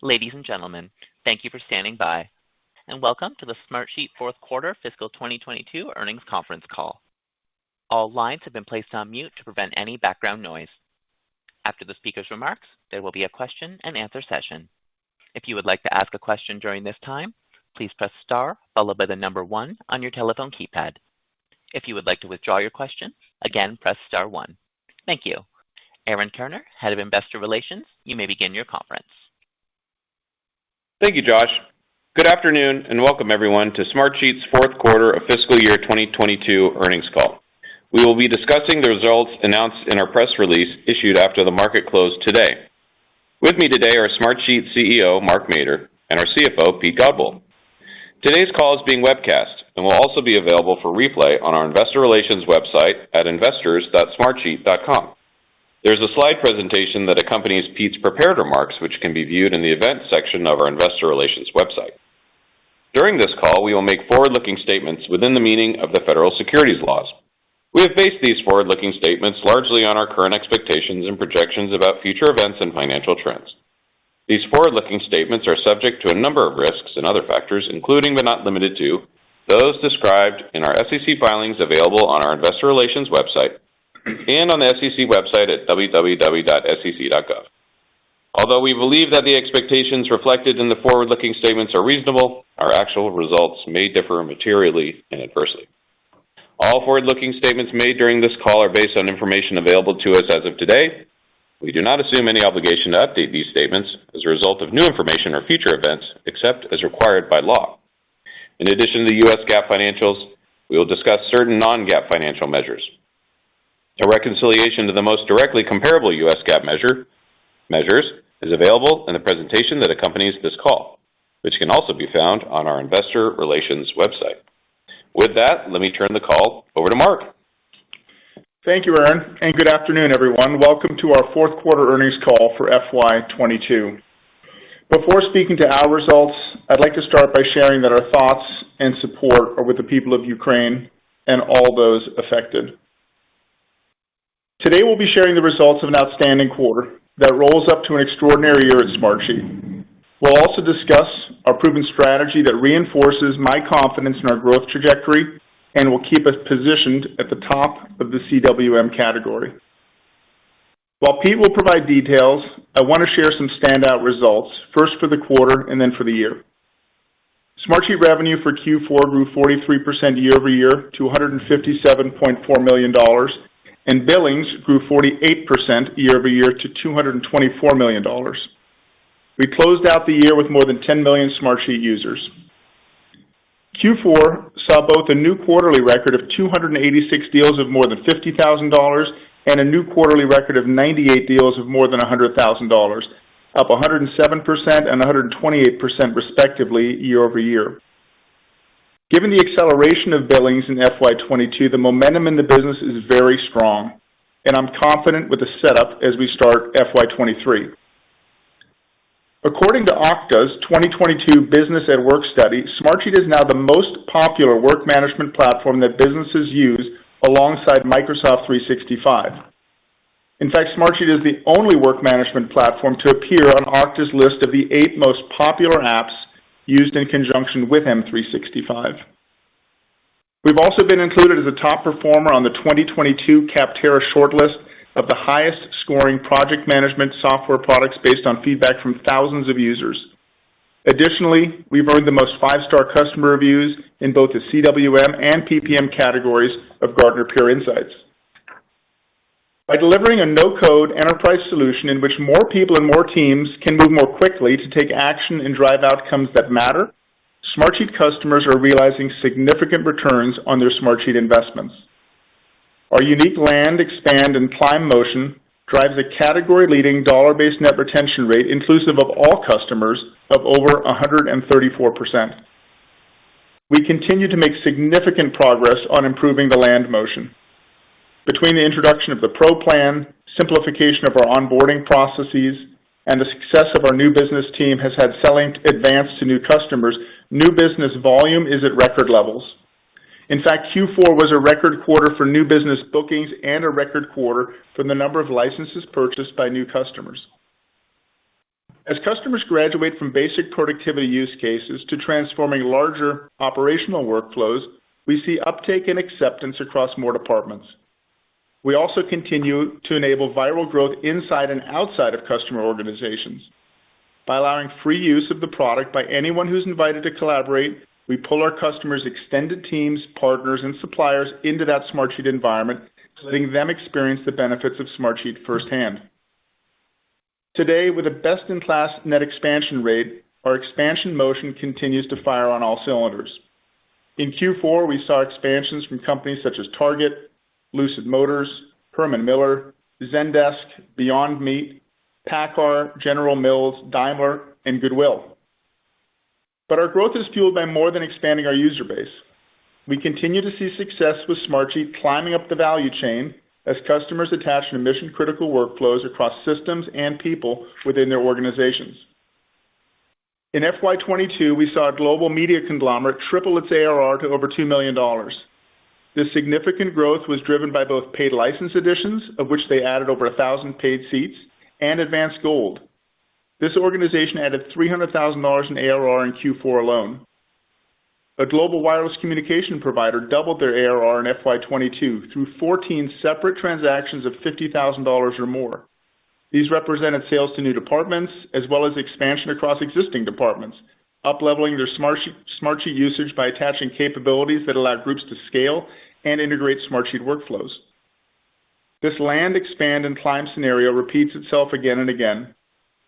Ladies and gentlemen, thank you for standing by, and welcome to the Smartsheet fourth quarter fiscal 2022 earnings conference call. All lines have been placed on mute to prevent any background noise. After the speaker's remarks, there will be a question-and-answer session. If you would like to ask a question during this time, please press star followed by the number one on your telephone keypad. If you would like to withdraw your question, again, press star one. Thank you. Aaron Turner, Head of Investor Relations, you may begin your conference. Thank you, Josh. Good afternoon, and welcome everyone to Smartsheet's fourth quarter of fiscal year 2022 earnings call. We will be discussing the results announced in our press release issued after the market closed today. With me today are Smartsheet CEO Mark Mader and our CFO Pete Godbole. Today's call is being webcast and will also be available for replay on our investor relations website at investors.smartsheet.com. There's a slide presentation that accompanies Pete's prepared remarks, which can be viewed in the events section of our investor relations website. During this call, we will make forward-looking statements within the meaning of the federal securities laws. We have based these forward-looking statements largely on our current expectations and projections about future events and financial trends. These forward-looking statements are subject to a number of risks and other factors, including but not limited to those described in our SEC filings available on our investor relations website and on the SEC website at www.sec.gov. Although we believe that the expectations reflected in the forward-looking statements are reasonable, our actual results may differ materially and adversely. All forward-looking statements made during this call are based on information available to us as of today. We do not assume any obligation to update these statements as a result of new information or future events, except as required by law. In addition to U.S. GAAP financials, we will discuss certain non-GAAP financial measures. A reconciliation to the most directly comparable U.S. GAAP measures is available in the presentation that accompanies this call, which can also be found on our investor relations website. With that, let me turn the call over to Mark. Thank you, Aaron, and good afternoon, everyone. Welcome to our fourth quarter earnings call for FY 2022. Before speaking to our results, I'd like to start by sharing that our thoughts and support are with the people of Ukraine and all those affected. Today, we'll be sharing the results of an outstanding quarter that rolls up to an extraordinary year at Smartsheet. We'll also discuss our proven strategy that reinforces my confidence in our growth trajectory and will keep us positioned at the top of the CWM category. While Pete will provide details, I wanna share some standout results, first for the quarter and then for the year. Smartsheet revenue for Q4 grew 43% year-over-year to $157.4 million, and billings grew 48% year-over-year to $224 million. We closed out the year with more than 10 million Smartsheet users. Q4 saw both a new quarterly record of 286 deals of more than $50,000 and a new quarterly record of 98 deals of more than $100,000, up 107% and 128% respectively year-over-year. Given the acceleration of billings in FY 2022, the momentum in the business is very strong, and I'm confident with the setup as we start FY 2023. According to Okta's 2022 Business at Work study, Smartsheet is now the most popular work management platform that businesses use alongside Microsoft 365. In fact, Smartsheet is the only work management platform to appear on Okta's list of the eight most popular apps used in conjunction with M365. We've also been included as a top performer on the 2022 Capterra Shortlist of the highest-scoring project management software products based on feedback from thousands of users. Additionally, we've earned the most five-star customer reviews in both the CWM and PPM categories of Gartner Peer Insights. By delivering a no-code enterprise solution in which more people and more teams can move more quickly to take action and drive outcomes that matter, Smartsheet customers are realizing significant returns on their Smartsheet investments. Our unique land expand and climb motion drives a category-leading dollar-based net retention rate inclusive of all customers of over 134%. We continue to make significant progress on improving the land motion. Between the introduction of the Pro Plan, simplification of our onboarding processes, and the success our new business team has had selling Advance to new customers, new business volume is at record levels. In fact, Q4 was a record quarter for new business bookings and a record quarter for the number of licenses purchased by new customers. As customers graduate from basic productivity use cases to transforming larger operational workflows, we see uptake and acceptance across more departments. We also continue to enable viral growth inside and outside of customer organizations. By allowing free use of the product by anyone who's invited to collaborate, we pull our customers' extended teams, partners, and suppliers into that Smartsheet environment, letting them experience the benefits of Smartsheet firsthand. Today, with a best-in-class net expansion rate, our expansion motion continues to fire on all cylinders. In Q4, we saw expansions from companies such as Target, Lucid Motors, Herman Miller, Zendesk, Beyond Meat, PACCAR, General Mills, Daimler, and Goodwill. Our growth is fueled by more than expanding our user base. We continue to see success with Smartsheet climbing up the value chain as customers attach their mission-critical workflows across systems and people within their organizations. In FY 2022, we saw a global media conglomerate triple its ARR to over $2 million. This significant growth was driven by both paid license additions, of which they added over 1,000 paid seats, and Advance Gold. This organization added $300,000 in ARR in Q4 alone. A global wireless communication provider doubled their ARR in FY 2022 through 14 separate transactions of $50,000 or more. These represented sales to new departments as well as expansion across existing departments, up-leveling their Smartsheet usage by attaching capabilities that allow groups to scale and integrate Smartsheet workflows. This land expand and climb scenario repeats itself again and again,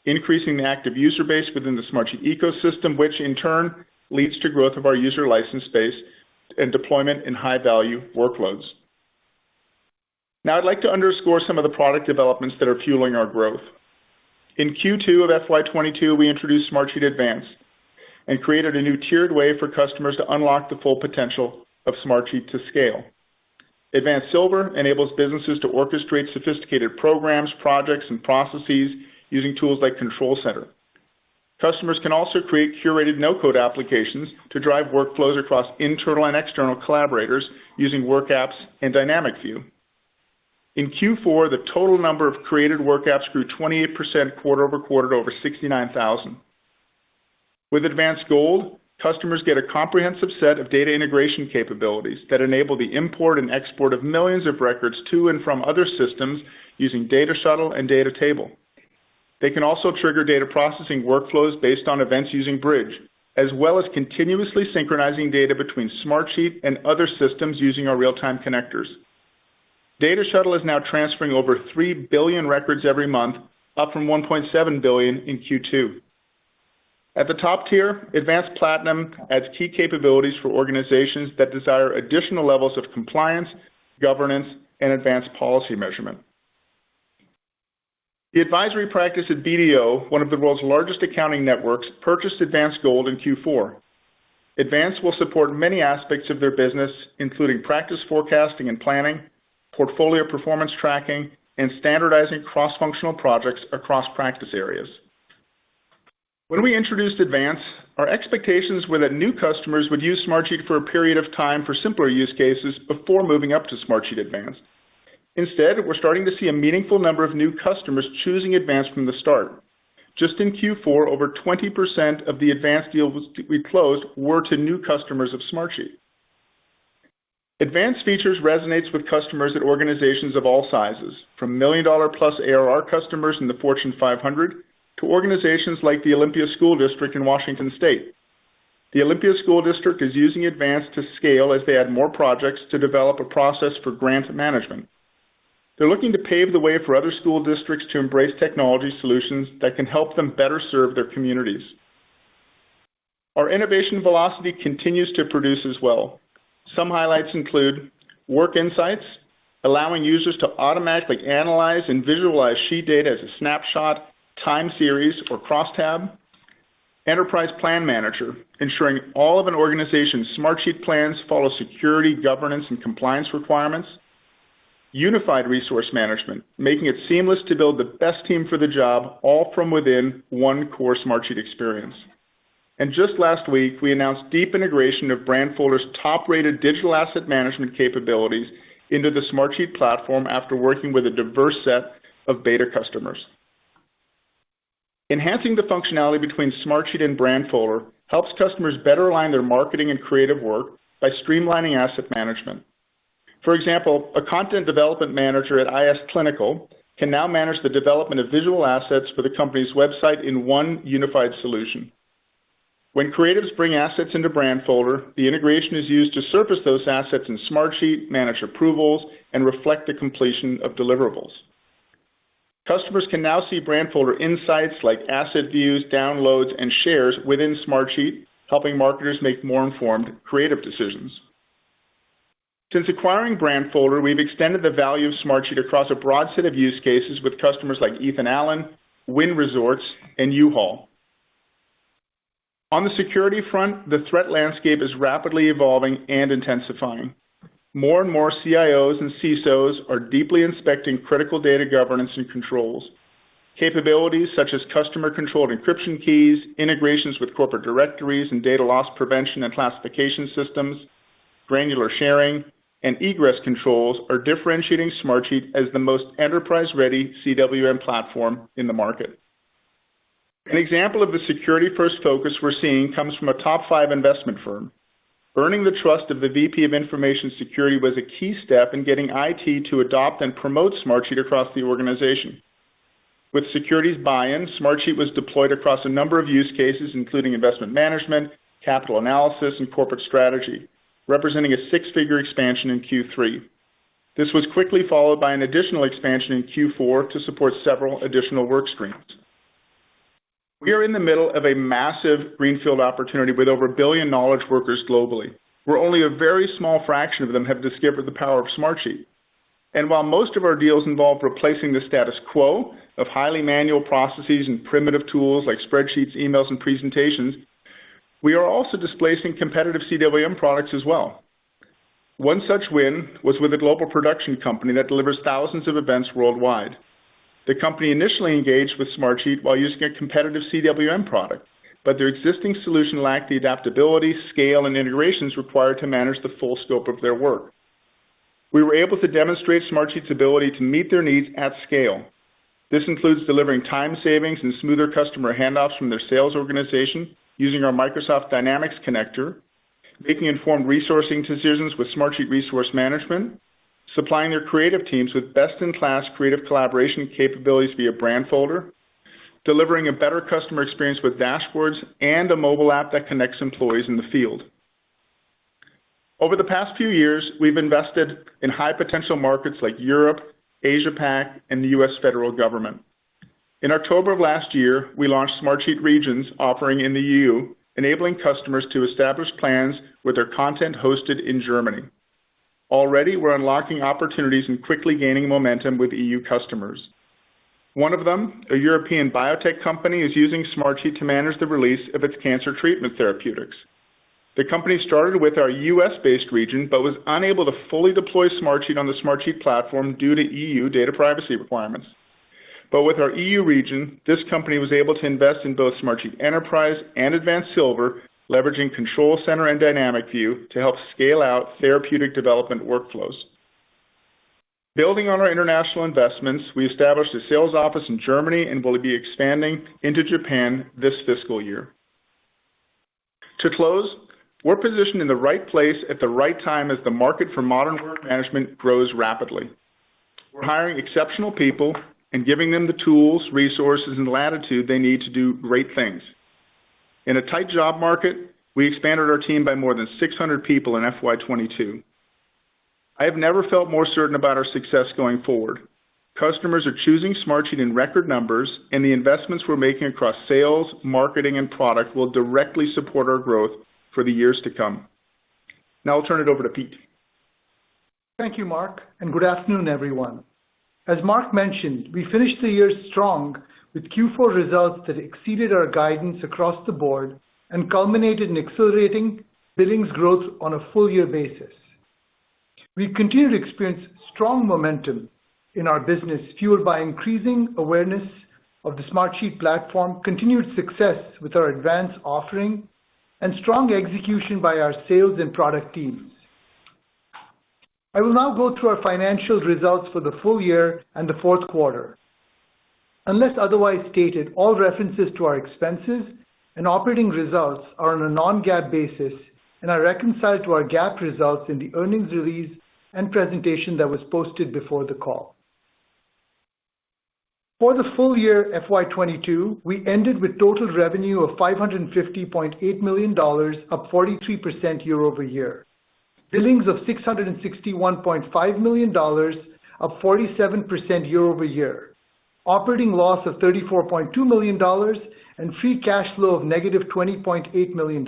increasing the active user base within the Smartsheet ecosystem, which in turn leads to growth of our user license base and deployment in high-value workloads. Now, I'd like to underscore some of the product developments that are fueling our growth. In Q2 of FY 2022, we introduced Smartsheet Advance and created a new tiered way for customers to unlock the full potential of Smartsheet to scale. Advance Silver enables businesses to orchestrate sophisticated programs, projects, and processes using tools like Control Center. Customers can also create curated no-code applications to drive workflows across internal and external collaborators using WorkApps and Dynamic View. In Q4, the total number of created WorkApps grew 28% quarter-over-quarter to over 69,000. With Advance Gold, customers get a comprehensive set of data integration capabilities that enable the import and export of millions of records to and from other systems using Data Shuttle and DataTable. They can also trigger data processing workflows based on events using Bridge, as well as continuously synchronizing data between Smartsheet and other systems using our real-time connectors. Data Shuttle is now transferring over 3 billion records every month, up from 1.7 billion in Q2. At the top tier, Advance Platinum adds key capabilities for organizations that desire additional levels of compliance, governance, and Advance policy measurement. The advisory practice at BDO, one of the world's largest accounting networks, purchased Advance Gold in Q4. Advance will support many aspects of their business, including practice forecasting and planning, portfolio performance tracking, and standardizing cross-functional projects across practice areas. When we introduced Advance, our expectations were that new customers would use Smartsheet for a period of time for simpler use cases before moving up to Smartsheet Advance. Instead, we're starting to see a meaningful number of new customers choosing Advance from the start. Just in Q4, over 20% of the Advance deals we closed were to new customers of Smartsheet. Advance features resonate with customers at organizations of all sizes, from million-dollar-plus ARR customers in the Fortune 500 to organizations like the Olympia School District in Washington state. The Olympia School District is using Advance to scale as they add more projects to develop a process for grant management. They're looking to pave the way for other school districts to embrace technology solutions that can help them better serve their communities. Our innovation velocity continues to produce as well. Some highlights include Work Insights, allowing users to automatically analyze and visualize sheet data as a snapshot, time series, or crosstab. Enterprise Plan Manager, ensuring all of an organization's Smartsheet plans follow security, governance, and compliance requirements. Unified Resource Management, making it seamless to build the best team for the job, all from within one core Smartsheet experience. Just last week, we announced deep integration of Brandfolder's top-rated digital asset management capabilities into the Smartsheet platform after working with a diverse set of beta customers. Enhancing the functionality between Smartsheet and Brandfolder helps customers better align their marketing and creative work by streamlining asset management. For example, a content development manager at iS Clinical can now manage the development of visual assets for the company's website in one unified solution. When creatives bring assets into Brandfolder, the integration is used to surface those assets in Smartsheet, manage approvals, and reflect the completion of deliverables. Customers can now see Brandfolder insights like asset views, downloads, and shares within Smartsheet, helping marketers make more informed creative decisions. Since acquiring Brandfolder, we've extended the value of Smartsheet across a broad set of use cases with customers like Ethan Allen, Wynn Resorts, and U-Haul. On the security front, the threat landscape is rapidly evolving and intensifying. More and more CIOs and CISOs are deeply inspecting critical data governance and controls. Capabilities such as customer-controlled encryption keys, integrations with corporate directories and data loss prevention and classification systems, granular sharing, and egress controls are differentiating Smartsheet as the most enterprise-ready CWM platform in the market. An example of the security-first focus we're seeing comes from a top five investment firm. Earning the trust of the VP of Information Security was a key step in getting IT to adopt and promote Smartsheet across the organization. With security's buy-in, Smartsheet was deployed across a number of use cases, including investment management, capital analysis, and corporate strategy, representing a six-figure expansion in Q3. This was quickly followed by an additional expansion in Q4 to support several additional work streams. We are in the middle of a massive greenfield opportunity with over a billion knowledge workers globally, where only a very small fraction of them have discovered the power of Smartsheet. While most of our deals involve replacing the status quo of highly manual processes and primitive tools like spreadsheets, emails, and presentations, we are also displacing competitive CWM products as well. One such win was with a global production company that delivers thousands of events worldwide. The company initially engaged with Smartsheet while using a competitive CWM product, but their existing solution lacked the adaptability, scale, and integrations required to manage the full scope of their work. We were able to demonstrate Smartsheet's ability to meet their needs at scale. This includes delivering time savings and smoother customer handoffs from their sales organization using our Microsoft Dynamics Connector, making informed resourcing decisions with Smartsheet Resource Management, supplying their creative teams with best-in-class creative collaboration capabilities via Brandfolder, delivering a better customer experience with dashboards, and a mobile app that connects employees in the field. Over the past few years, we've invested in high-potential markets like Europe, Asia-Pac, and the U.S. federal government. In October of last year, we launched Smartsheet Regions offering in the EU, enabling customers to establish plans with their content hosted in Germany. Already, we're unlocking opportunities and quickly gaining momentum with EU customers. One of them, a European biotech company, is using Smartsheet to manage the release of its cancer treatment therapeutics. The company started with our U.S.-based region, but was unable to fully deploy Smartsheet on the Smartsheet platform due to EU data privacy requirements. With our EU region, this company was able to invest in both Smartsheet Enterprise and Advance Silver, leveraging Control Center and Dynamic View to help scale out therapeutic development workflows. Building on our international investments, we established a sales office in Germany and will be expanding into Japan this fiscal year. To close, we're positioned in the right place at the right time as the market for modern work management grows rapidly. We're hiring exceptional people and giving them the tools, resources, and latitude they need to do great things. In a tight job market, we expanded our team by more than 600 people in FY 2022. I have never felt more certain about our success going forward. Customers are choosing Smartsheet in record numbers, and the investments we're making across sales, marketing, and product will directly support our growth for the years to come. Now I'll turn it over to Pete. Thank you, Mark, and good afternoon, everyone. As Mark mentioned, we finished the year strong with Q4 results that exceeded our guidance across the board and culminated in accelerating billings growth on a full-year basis. We continue to experience strong momentum in our business, fueled by increasing awareness of the Smartsheet platform, continued success with our Advance offering, and strong execution by our sales and product teams. I will now go through our financial results for the full year and the fourth quarter. Unless otherwise stated, all references to our expenses and operating results are on a non-GAAP basis and are reconciled to our GAAP results in the earnings release and presentation that was posted before the call. For the full year FY 2022, we ended with total revenue of $550.8 million, up 43% year-over-year. Billings of $661.5 million, up 47% year-over-year. Operating loss of $34.2 million, and free cash flow of negative $20.8 million.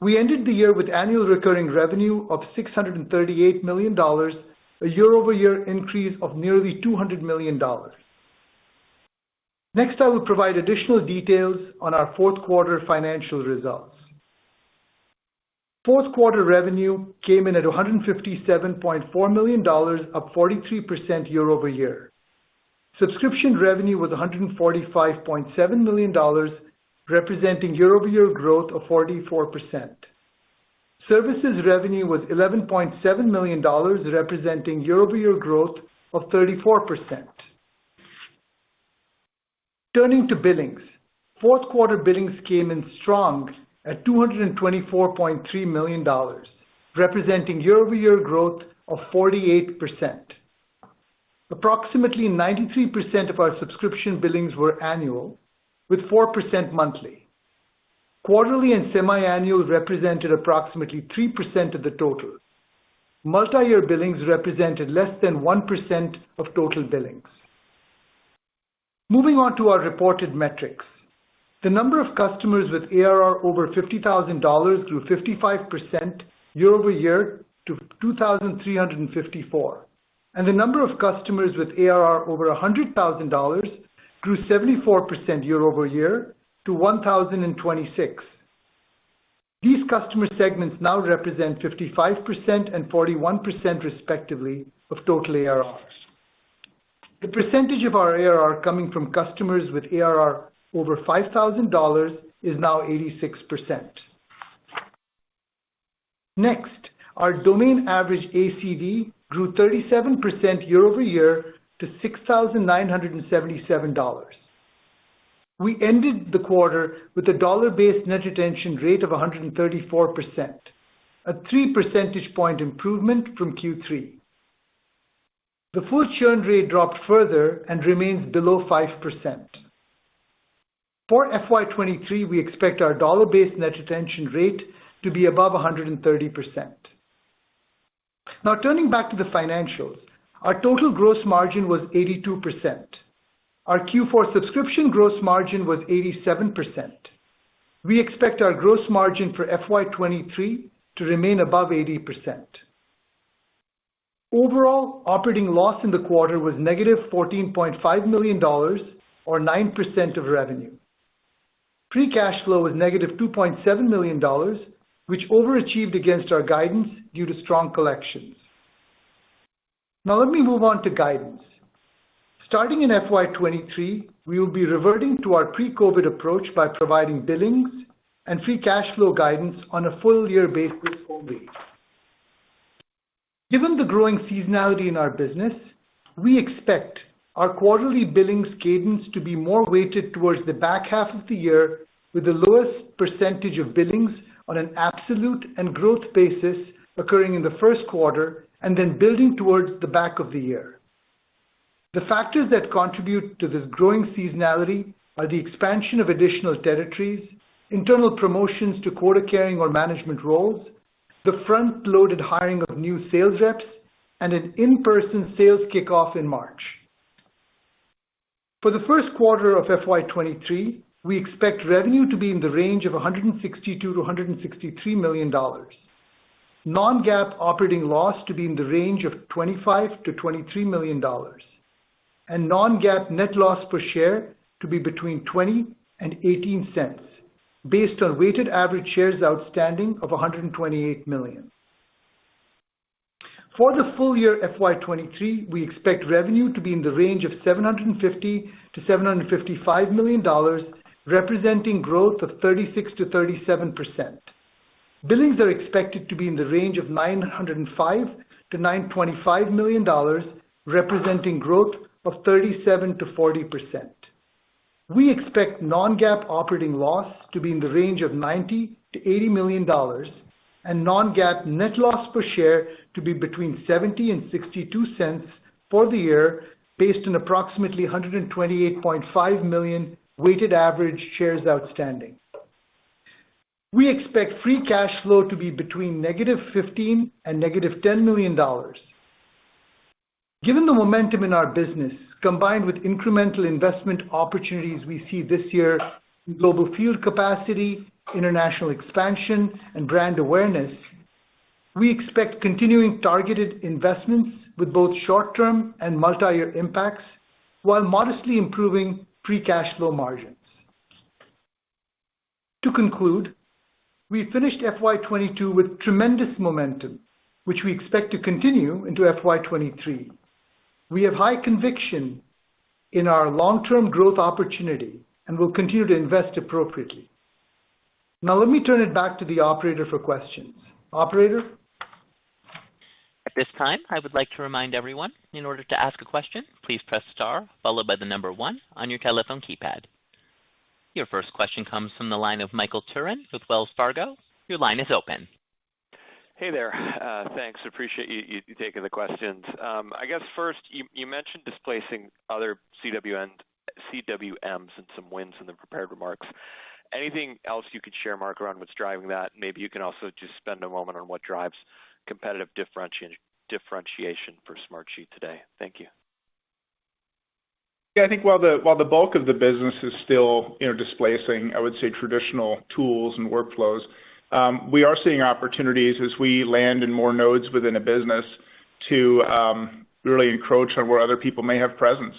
We ended the year with annual recurring revenue of $638 million, a year-over-year increase of nearly $200 million. Next, I will provide additional details on our fourth quarter financial results. Fourth quarter revenue came in at $157.4 million, up 43% year-over-year. Subscription revenue was $145.7 million, representing year-over-year growth of 44%. Services revenue was $11.7 million, representing year-over-year growth of 34%. Turning to billings. Fourth quarter billings came in strong at $224.3 million, representing year-over-year growth of 48%. Approximately 93% of our subscription billings were annual, with 4% monthly. Quarterly and semiannual represented approximately 3% of the total. Multi-year billings represented less than 1% of total billings. Moving on to our reported metrics. The number of customers with ARR over $50,000 grew 55% year-over-year to 2,354, and the number of customers with ARR over $100,000 grew 74% year-over-year to 1,026. These customer segments now represent 55% and 41%, respectively, of total ARR. The percentage of our ARR coming from customers with ARR over $5,000 is now 86%. Next, our domain average ACV grew 37% year-over-year to $6,977. We ended the quarter with a dollar-based net retention rate of 134%, a 3 percentage point improvement from Q3. The full churn rate dropped further and remains below 5%. For FY 2023, we expect our dollar-based net retention rate to be above 130%. Now, turning back to the financials. Our total gross margin was 82%. Our Q4 subscription gross margin was 87%. We expect our gross margin for FY 2023 to remain above 80%. Overall, operating loss in the quarter was -$14.5 million or 9% of revenue. Free cash flow was -$2.7 million, which overachieved against our guidance due to strong collections. Now let me move on to guidance. Starting in FY 2023, we will be reverting to our pre-COVID approach by providing billings and free cash flow guidance on a full year basis only. Given the growing seasonality in our business, we expect our quarterly billings cadence to be more weighted towards the back half of the year, with the lowest percentage of billings on an absolute and growth basis occurring in the first quarter and then building towards the back of the year. The factors that contribute to this growing seasonality are the expansion of additional territories, internal promotions to quota carrying or management roles, the front-loaded hiring of new sales reps, and an in-person sales kickoff in March. For the first quarter of FY 2023, we expect revenue to be in the range of $162 million-$163 million. Non-GAAP operating loss to be in the range of $25 million-$23 million. Non-GAAP net loss per share to be between $0.20 and $0.18 based on weighted average shares outstanding of 128 million. For the full year FY 2023, we expect revenue to be in the range of $750 million-$755 million, representing growth of 36%-37%. Billings are expected to be in the range of $905 million-$925 million, representing growth of 37%-40%. We expect non-GAAP operating loss to be in the range of $90 million-$80 million and non-GAAP net loss per share to be between $0.70 and $0.62 for the year, based on approximately 128.5 million weighted average shares outstanding. We expect free cash flow to be between -$15 million and -$10 million. Given the momentum in our business, combined with incremental investment opportunities we see this year in global field capacity, international expansion and brand awareness, we expect continuing targeted investments with both short-term and multi-year impacts, while modestly improving free cash flow margins. To conclude, we finished FY 2022 with tremendous momentum, which we expect to continue into FY 2023. We have high conviction in our long-term growth opportunity and will continue to invest appropriately. Now let me turn it back to the operator for questions. Operator? At this time, I would like to remind everyone, in order to ask a question, please press star followed by the number one on your telephone keypad. Your first question comes from the line of Michael Turrin with Wells Fargo. Your line is open. Hey there. Thanks. Appreciate you taking the questions. I guess first, you mentioned displacing other CWMs and some wins in the prepared remarks. Anything else you could share, Mark, around what's driving that? Maybe you can also just spend a moment on what drives competitive differentiation for Smartsheet today. Thank you. Yeah, I think while the bulk of the business is still, you know, displacing, I would say, traditional tools and workflows, we are seeing opportunities as we land in more nodes within a business to really encroach on where other people may have presence.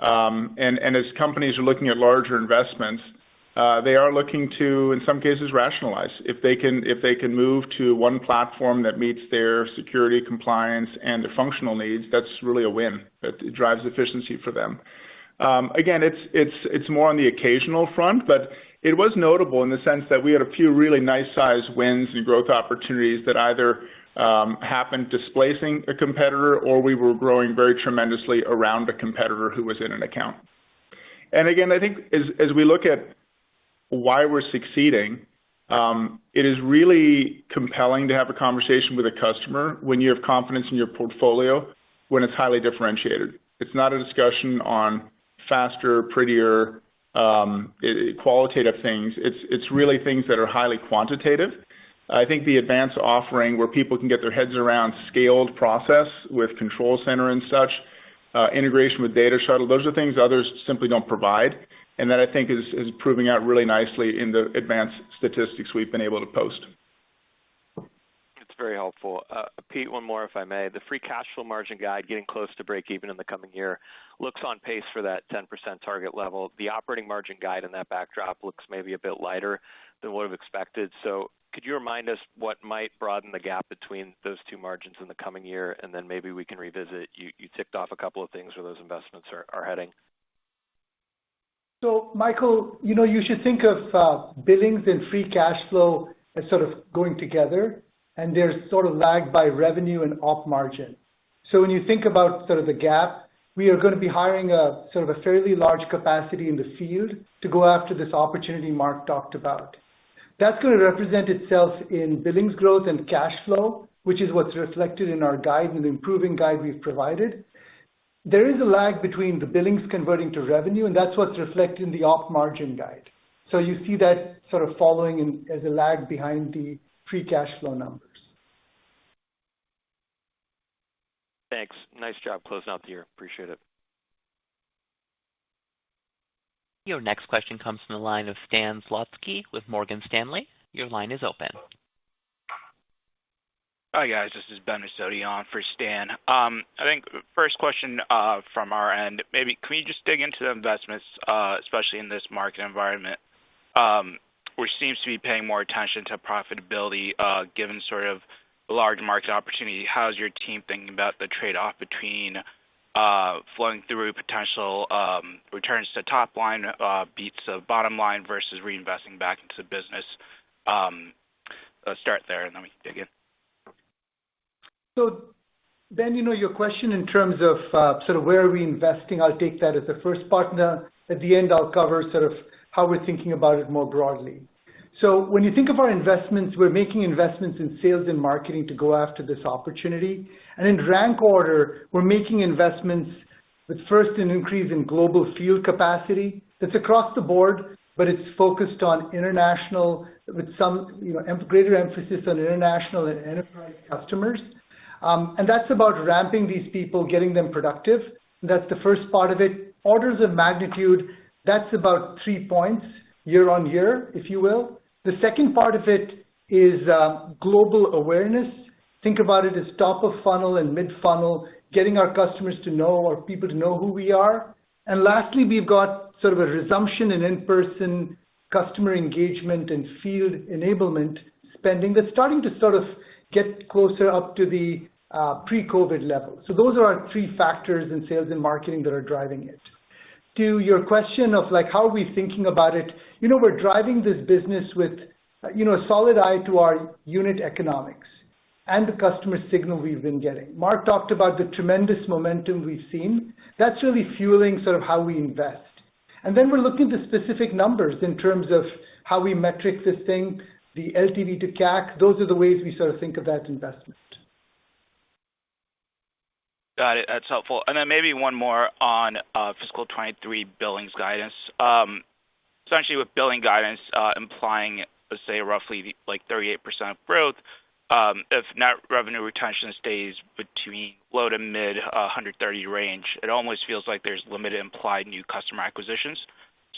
And as companies are looking at larger investments, they are looking to, in some cases, rationalize. If they can move to one platform that meets their security compliance and the functional needs, that's really a win that drives efficiency for them. Again, it's more on the occasional front, but it was notable in the sense that we had a few really nice sized wins and growth opportunities that either happened displacing a competitor or we were growing very tremendously around a competitor who was in an account. Again, I think as we look at why we're succeeding, it is really compelling to have a conversation with a customer when you have confidence in your portfolio, when it's highly differentiated. It's not a discussion on faster, prettier, qualitative things. It's really things that are highly quantitative. I think the Advance offering where people can get their heads around scaled process with Control Center and such, integration with Data Shuttle, those are things others simply don't provide. That I think is proving out really nicely in the Advance statistics we've been able to post. That's very helpful. Pete, one more if I may. The free cash flow margin guide getting close to breakeven in the coming year looks on pace for that 10% target level. The operating margin guide in that backdrop looks maybe a bit lighter than what I've expected. Could you remind us what might broaden the gap between those two margins in the coming year, and then maybe we can revisit, you ticked off a couple of things where those investments are heading. Michael, you know, you should think of billings and free cash flow as sort of going together, and they're sort of lagged by revenue and op margin. When you think about sort of the gap, we are gonna be hiring a sort of a fairly large capacity in the field to go after this opportunity Mark talked about. That's gonna represent itself in billings growth and cash flow, which is what's reflected in our guide and improving guide we've provided. There is a lag between the billings converting to revenue, and that's what's reflected in the op margin guide. You see that sort of following in as a lag behind the free cash flow numbers. Thanks. Nice job closing out the year. Appreciate it. Your next question comes from the line of Stan Zlotsky with Morgan Stanley. Your line is open. Hi, guys. This is Ben Rozin on for Stan. I think first question from our end, maybe can we just dig into the investments, especially in this market environment, which seems to be paying more attention to profitability, given sort of large market opportunity, how is your team thinking about the trade-off between flowing through potential returns to top line beats of bottom line versus reinvesting back into the business? Let's start there, and then we can dig in. Ben, you know, your question in terms of sort of where are we investing, I'll take that as the first part. Now, at the end I'll cover sort of how we're thinking about it more broadly. When you think of our investments, we're making investments in sales and marketing to go after this opportunity. In rank order, we're making investments with first an increase in global field capacity. It's across the board, but it's focused on international, with some, you know, greater emphasis on international and enterprise customers. That's about ramping these people, getting them productive. That's the first part of it. Orders of magnitude, that's about 3 points year-over-year, if you will. The second part of it is global awareness. Think about it as top of funnel and mid-funnel, getting our customers to know or people to know who we are. Lastly, we've got sort of a resumption in-person customer engagement and field enablement spending. They're starting to sort of get closer up to the pre-COVID levels. Those are our three factors in sales and marketing that are driving it. To your question of, like, how are we thinking about it, you know, we're driving this business with, you know, a solid eye to our unit economics and the customer signal we've been getting. Mark talked about the tremendous momentum we've seen. That's really fueling sort of how we invest. Then we're looking to specific numbers in terms of how we metric this thing, the LTV to CAC. Those are the ways we sort of think of that investment. Got it. That's helpful. Then maybe one more on fiscal 2023 billings guidance. Essentially with billing guidance implying, let's say, roughly like 38% growth, if net revenue retention stays between low-to-mid 130% range, it almost feels like there's limited implied new customer acquisitions.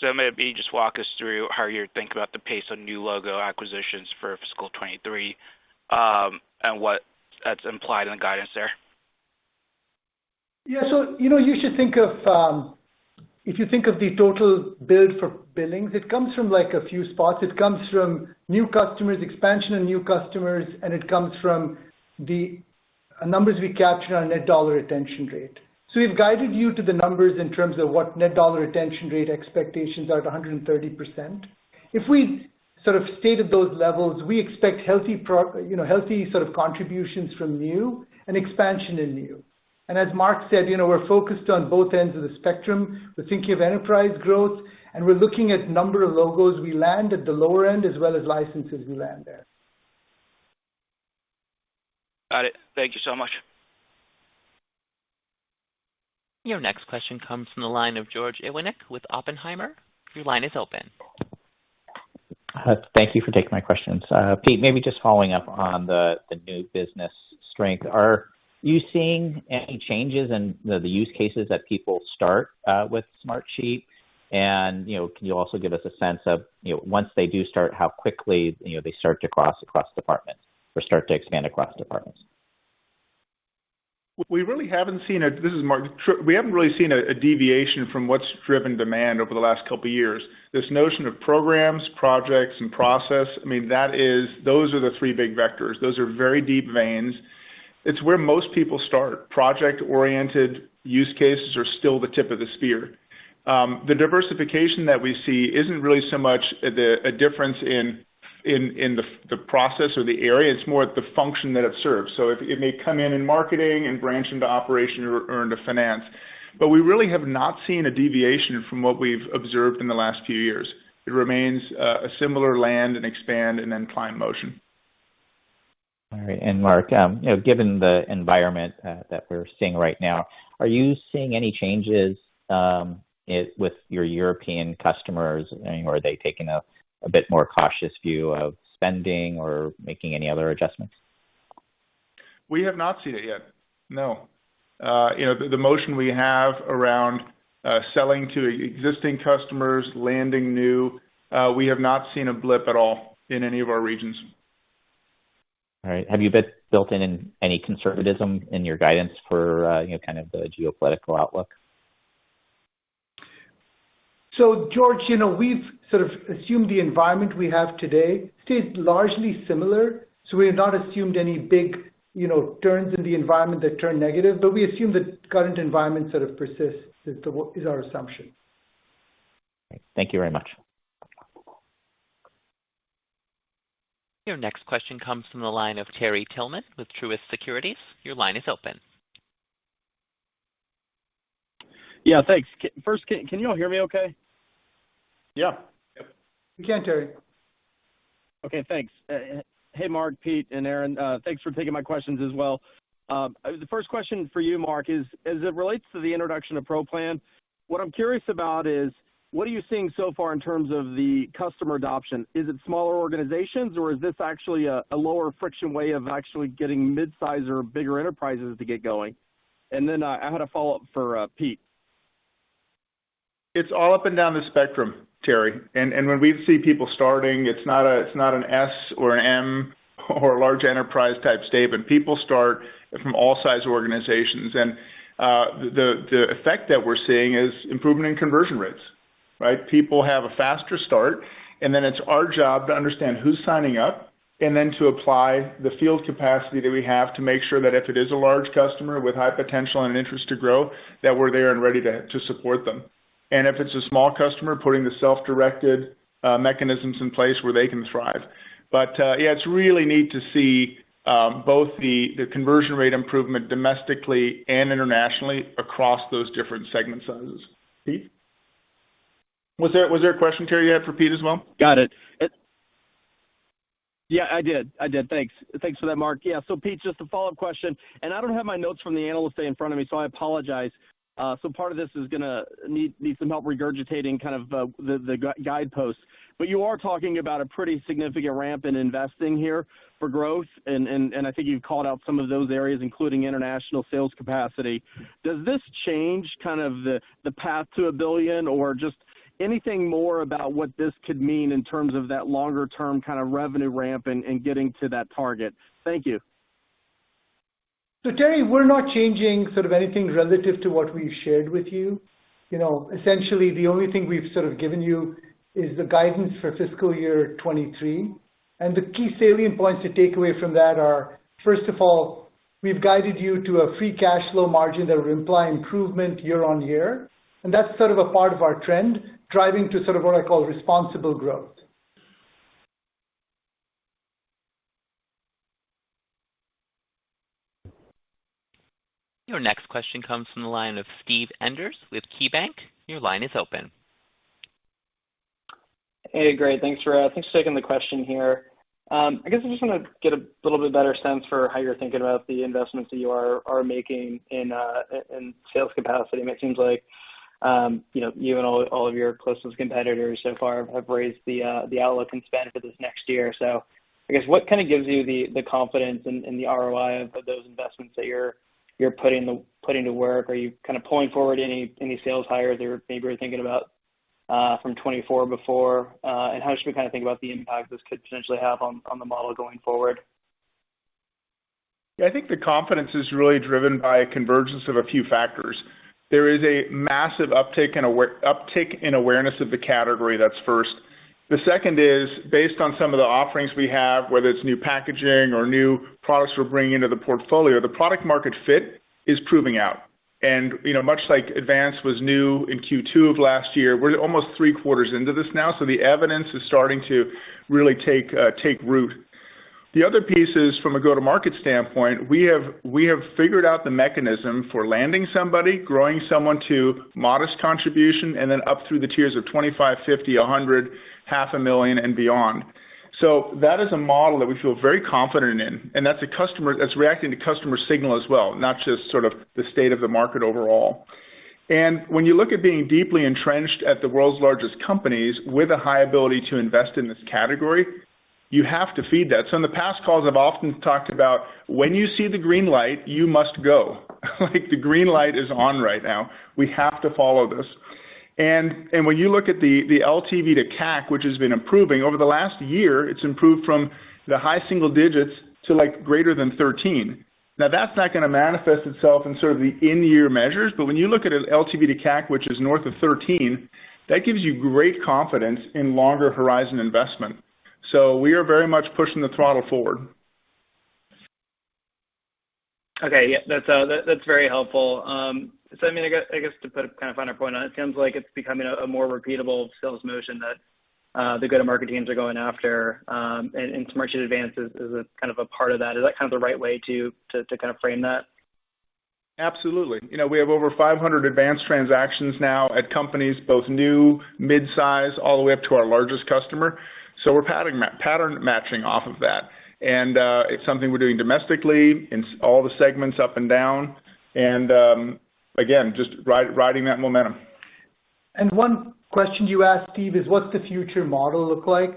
Maybe just walk us through how you think about the pace of new logo acquisitions for fiscal 2023, and what that's implied in the guidance there. Yeah. You know, you should think of if you think of the total build for billings, it comes from, like, a few spots. It comes from new customers, expansion of new customers, and it comes from the numbers we capture on net dollar retention rate. We've guided you to the numbers in terms of what net dollar retention rate expectations are at 130%. If we sort of stayed at those levels, we expect healthy you know, healthy sort of contributions from new and expansion in new. As Mark said, you know, we're focused on both ends of the spectrum. We're thinking of enterprise growth, and we're looking at number of logos we land at the lower end as well as licenses we land there. Got it. Thank you so much. Your next question comes from the line of George Iwanyc with Oppenheimer. Your line is open. Thank you for taking my questions. Pete, maybe just following up on the new business strength. Are you seeing any changes in the use cases that people start with Smartsheet? You know, can you also give us a sense of, you know, once they do start, how quickly, you know, they start to cross across departments or start to expand across departments? This is Mark. We haven't really seen a deviation from what's driven demand over the last couple years. This notion of programs, projects, and process, I mean, that is those are the three big vectors. Those are very deep veins. It's where most people start. Project-oriented use cases are still the tip of the spear. The diversification that we see isn't really so much a difference in the process or the area, it's more the function that it serves. It may come in marketing and branch into operation or into finance. We really have not seen a deviation from what we've observed in the last few years. It remains a similar land and expand and then climb motion. All right. Mark, you know, given the environment that we're seeing right now, are you seeing any changes with your European customers? I mean, are they taking a bit more cautious view of spending or making any other adjustments? We have not seen it yet, no. You know, the motion we have around selling to existing customers, landing new, we have not seen a blip at all in any of our regions. All right. Have you built in any conservatism in your guidance for, you know, kind of the geopolitical outlook? George, you know, we've sort of assumed the environment we have today stayed largely similar, so we have not assumed any big, you know, turns in the environment that turn negative. But we assume the current environment sort of persists, is our assumption. Thank you very much. Your next question comes from the line of Terry Tillman with Truist Securities. Your line is open. Yeah, thanks. First, can you all hear me okay? Yeah. Yep. We can, Terry. Okay, thanks. Hey, Mark, Pete, and Aaron, thanks for taking my questions as well. The first question for you, Mark, is as it relates to the introduction of Pro Plan, what I'm curious about is what are you seeing so far in terms of the customer adoption? Is it smaller organizations, or is this actually a lower friction way of actually getting midsize or bigger enterprises to get going? Then, I had a follow-up for Pete. It's all up and down the spectrum, Terry. When we see people starting, it's not an S or an M or a large enterprise type statement. People start from all sizes organizations. The effect that we're seeing is improvement in conversion rates, right? People have a faster start, and then it's our job to understand who's signing up, and then to apply the field capacity that we have to make sure that if it is a large customer with high potential and an interest to grow, that we're there and ready to support them. If it's a small customer, putting the self-directed mechanisms in place where they can thrive. Yeah, it's really neat to see both the conversion rate improvement domestically and internationally across those different segment sizes. Pete? Was there a question, Terry, you had for Pete as well? Got it. Yeah, I did. Thanks for that, Mark. Yeah. Pete, just a follow-up question. I don't have my notes from the Analyst Day in front of me, so I apologize. Part of this is gonna need some help regurgitating kind of the guidepost. You are talking about a pretty significant ramp in investing here for growth. I think you've called out some of those areas, including international sales capacity. Does this change kind of the path to a billion or just anything more about what this could mean in terms of that longer term kind of revenue ramp and getting to that target? Thank you. Terry, we're not changing sort of anything relative to what we've shared with you. You know, essentially the only thing we've sort of given you is the guidance for fiscal year 2023. The key salient points to take away from that are, first of all, we've guided you to a free cash flow margin that would imply improvement year-on-year. That's sort of a part of our trend, driving to sort of what I call responsible growth. Your next question comes from the line of Steve Enders with KeyBanc. Your line is open. Hey, great. Thanks for taking the question here. I guess I just wanna get a little bit better sense for how you're thinking about the investments that you are making in sales capacity. It seems like you know, you and all of your closest competitors so far have raised the outlook and spend for this next year. I guess what kind of gives you the confidence in the ROI of those investments that you're putting to work? Are you kind of pulling forward any sales hires or maybe you're thinking about from 2024 before? How should we kind of think about the impact this could potentially have on the model going forward? Yeah. I think the confidence is really driven by a convergence of a few factors. There is a massive uptick in awareness of the category, that's first. The second is, based on some of the offerings we have, whether it's new packaging or new products we're bringing into the portfolio, the product market fit is proving out. You know, much like Advance was new in Q2 of last year, we're almost three quarters into this now, so the evidence is starting to really take root. The other piece is from a go-to-market standpoint, we have figured out the mechanism for landing somebody, growing someone to modest contribution, and then up through the tiers of 25, 50, 100, $500 million and beyond. That is a model that we feel very confident in. That's a customer, that's reacting to customer signal as well, not just sort of the state of the market overall. When you look at being deeply entrenched at the world's largest companies with a high ability to invest in this category, you have to feed that. In the past calls, I've often talked about when you see the green light, you must go. Like, the green light is on right now. We have to follow this. When you look at the LTV to CAC, which has been improving. Over the last year, it's improved from the high single digits to, like, greater than 13. Now, that's not gonna manifest itself in sort of the in-year measures, but when you look at an LTV to CAC, which is north of 13, that gives you great confidence in longer horizon investment. We are very much pushing the throttle forward. Okay. Yeah. That's very helpful. I mean, I guess to put a kind of finer point on it sounds like it's becoming a more repeatable sales motion that the go-to-market teams are going after, and Smartsheet Advance is a kind of a part of that. Is that kind of the right way to kind of frame that? Absolutely. You know, we have over 500 Advance transactions now at companies, both new, mid-size, all the way up to our largest customer. We're pattern matching off of that. It's something we're doing domestically in all the segments up and down. Again, just riding that momentum. One question you asked, Steve, is what's the future model look like?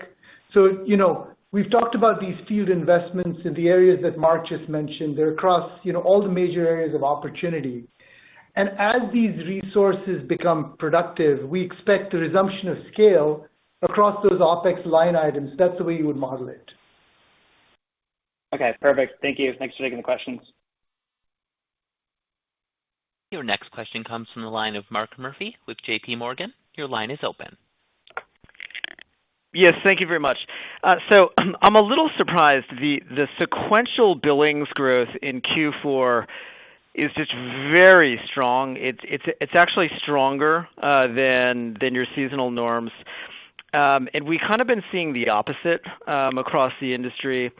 You know, we've talked about these field investments in the areas that Mark just mentioned. They're across, you know, all the major areas of opportunity. As these resources become productive, we expect a resumption of scale across those OpEx line items. That's the way you would model it. Okay. Perfect. Thank you. Thanks for taking the questions. Your next question comes from the line of Mark Murphy with JPMorgan. Your line is open. Yes, thank you very much. I'm a little surprised the sequential billings growth in Q4 is just very strong. It's actually stronger than your seasonal norms. And we kind of been seeing the opposite across the industry.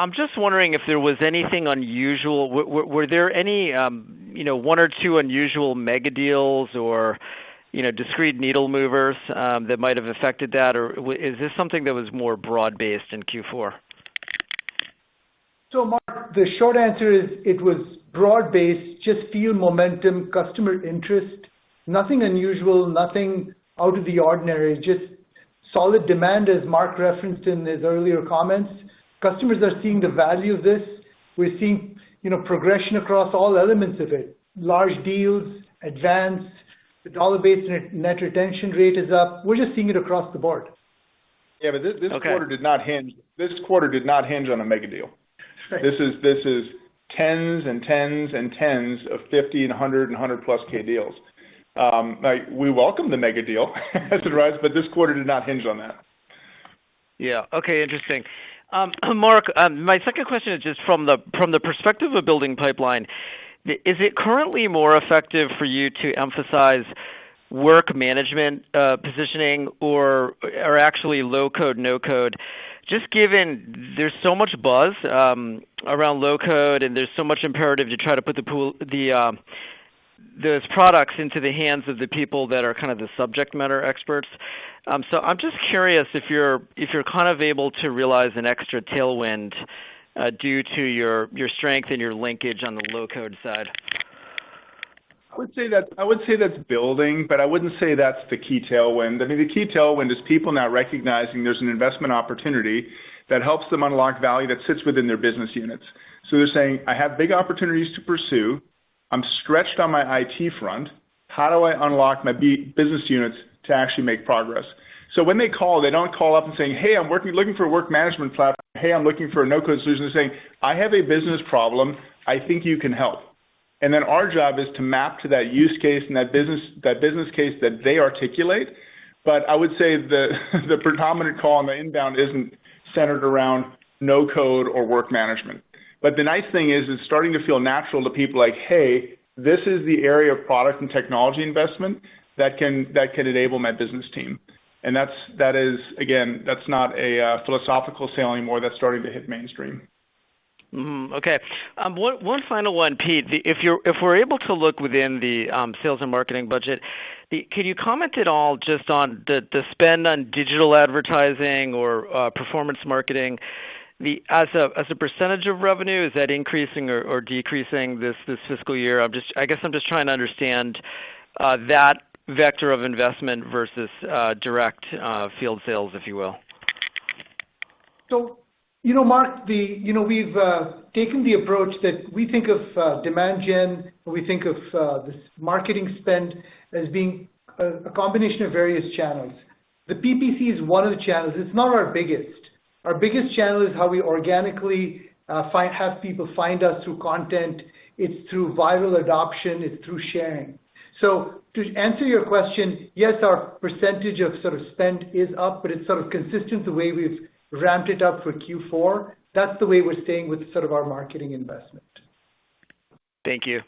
I'm just wondering if there was anything unusual. Were there any, you know, one or two unusual mega deals or, you know, discrete needle movers, that might have affected that? Or is this something that was more broad-based in Q4? Mark, the short answer is it was broad-based, just field momentum, customer interest. Nothing unusual, nothing out of the ordinary. Just solid demand, as Mark referenced in his earlier comments. Customers are seeing the value of this. We're seeing, you know, progression across all elements of it. Large deals, Advance, the dollar-based net retention rate is up. We're just seeing it across the board. Yeah. This quarter. Okay. This quarter did not hinge on a mega deal. Right. This is tens of $50K and $100K and $100K+ deals. Like, we welcome the mega deal as it arrives, but this quarter did not hinge on that. Yeah. Okay. Interesting. Mark, my second question is just from the perspective of building pipeline, is it currently more effective for you to emphasize work management positioning or actually low-code/no-code, just given there's so much buzz around low code, and there's so much imperative to try to put those products into the hands of the people that are kind of the subject matter experts. So I'm just curious if you're kind of able to realize an extra tailwind due to your strength and your linkage on the low code side. I would say that's building, but I wouldn't say that's the key tailwind. I mean, the key tailwind is people now recognizing there's an investment opportunity that helps them unlock value that sits within their business units. They're saying, "I have big opportunities to pursue. I'm stretched on my IT front. How do I unlock my business units to actually make progress?" When they call, they don't call up and say, "Hey, I'm looking for a work management platform. Hey, I'm looking for a no-code solution." They're saying, "I have a business problem. I think you can help." Then our job is to map to that use case and that business case that they articulate. I would say the predominant call on the inbound isn't centered around no-code or work management. The nice thing is it's starting to feel natural to people like, "Hey, this is the area of product and technology investment that can enable my business team." That is again, that's not a philosophical sale anymore. That's starting to hit mainstream. Okay. One final one, Pete. If we're able to look within the sales and marketing budget, can you comment at all just on the spend on digital advertising or performance marketing? As a percentage of revenue, is that increasing or decreasing this fiscal year? I guess I'm just trying to understand that vector of investment versus direct field sales, if you will. You know, Mark, you know, we've taken the approach that we think of demand gen, when we think of this marketing spend as being a combination of various channels. The PPC is one of the channels. It's not our biggest. Our biggest channel is how we organically have people find us through content. It's through viral adoption. It's through sharing. To answer your question, yes, our percentage of sort of spend is up, but it's sort of consistent the way we've ramped it up for Q4. That's the way we're staying with sort of our marketing investment. Thank you.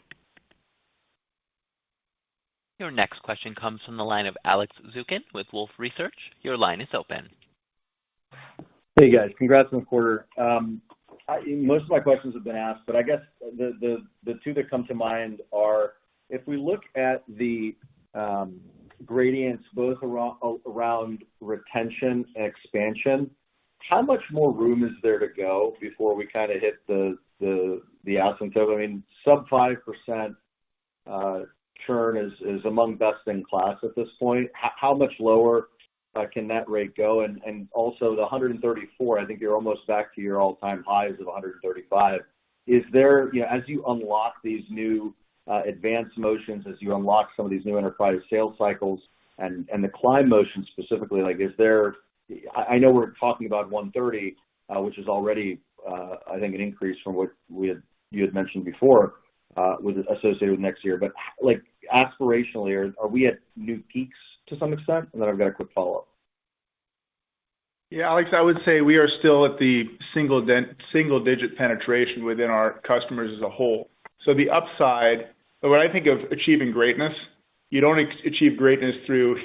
Your next question comes from the line of Alex Zukin with Wolfe Research. Your line is open. Hey, guys. Congrats on the quarter. Most of my questions have been asked, but I guess the two that come to mind are, if we look at the gradients both around retention and expansion, how much more room is there to go before we kind of hit the asymptote? I mean, sub 5% churn is among best in class at this point. How much lower can that rate go? And also the 134, I think you're almost back to your all-time highs of 135. Is there? You know, as you unlock these new Advance motions, as you unlock some of these new enterprise sales cycles and the climb motion specifically, like, is there? I know we're talking about 130%, which is already, I think an increase from what you had mentioned before, associated with next year. Like, aspirationally, are we at new peaks to some extent? I've got a quick follow-up. Yeah, Alex, I would say we are still at the single-digit penetration within our customers as a whole. The upside, when I think of achieving greatness, you don't achieve greatness through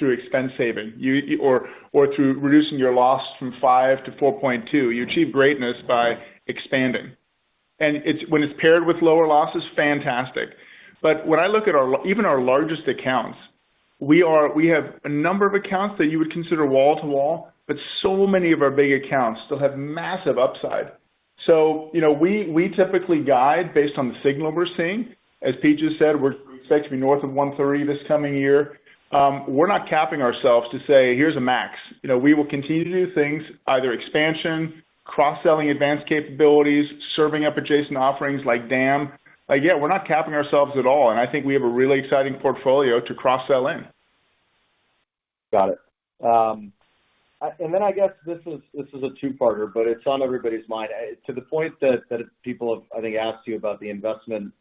expense saving. You or through reducing your loss from 5 to 4.2. You achieve greatness by expanding. It's when it's paired with lower losses, fantastic. When I look at our largest accounts, we have a number of accounts that you would consider wall-to-wall, but so many of our big accounts still have massive upside. You know, we typically guide based on the signal we're seeing. As Pete just said, we're expected to be north of 130% this coming year. We're not capping ourselves to say, "Here's a max." You know, we will continue to do things, either expansion, cross-selling Advance capabilities, serving up adjacent offerings like DAM. Like, yeah, we're not capping ourselves at all, and I think we have a really exciting portfolio to cross-sell in. Got it. Then I guess this is a two-parter, but it's on everybody's mind. To the point that people have, I think, asked you about the investment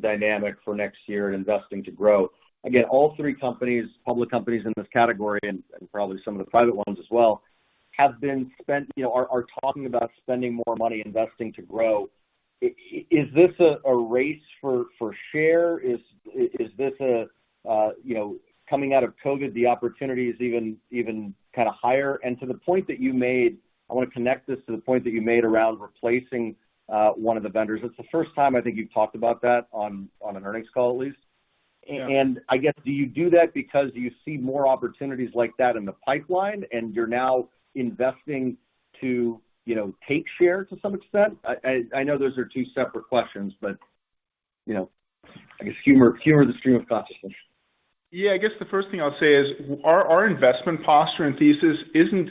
dynamic for next year and investing to grow. Again, all three companies, public companies in this category, and probably some of the private ones as well, have been spending, you know, are talking about spending more money investing to grow. Is this a race for share? Is this, you know, coming out of COVID, the opportunity is even kind of higher? To the point that you made, I want to connect this to the point that you made around replacing one of the vendors. It's the first time I think you've talked about that on an earnings call at least. Yeah. I guess, do you do that because you see more opportunities like that in the pipeline and you're now investing to, you know, take share to some extent? I know those are two separate questions, but you know, I guess humor is a stream of consciousness. Yeah, I guess the first thing I'll say is our investment posture and thesis isn't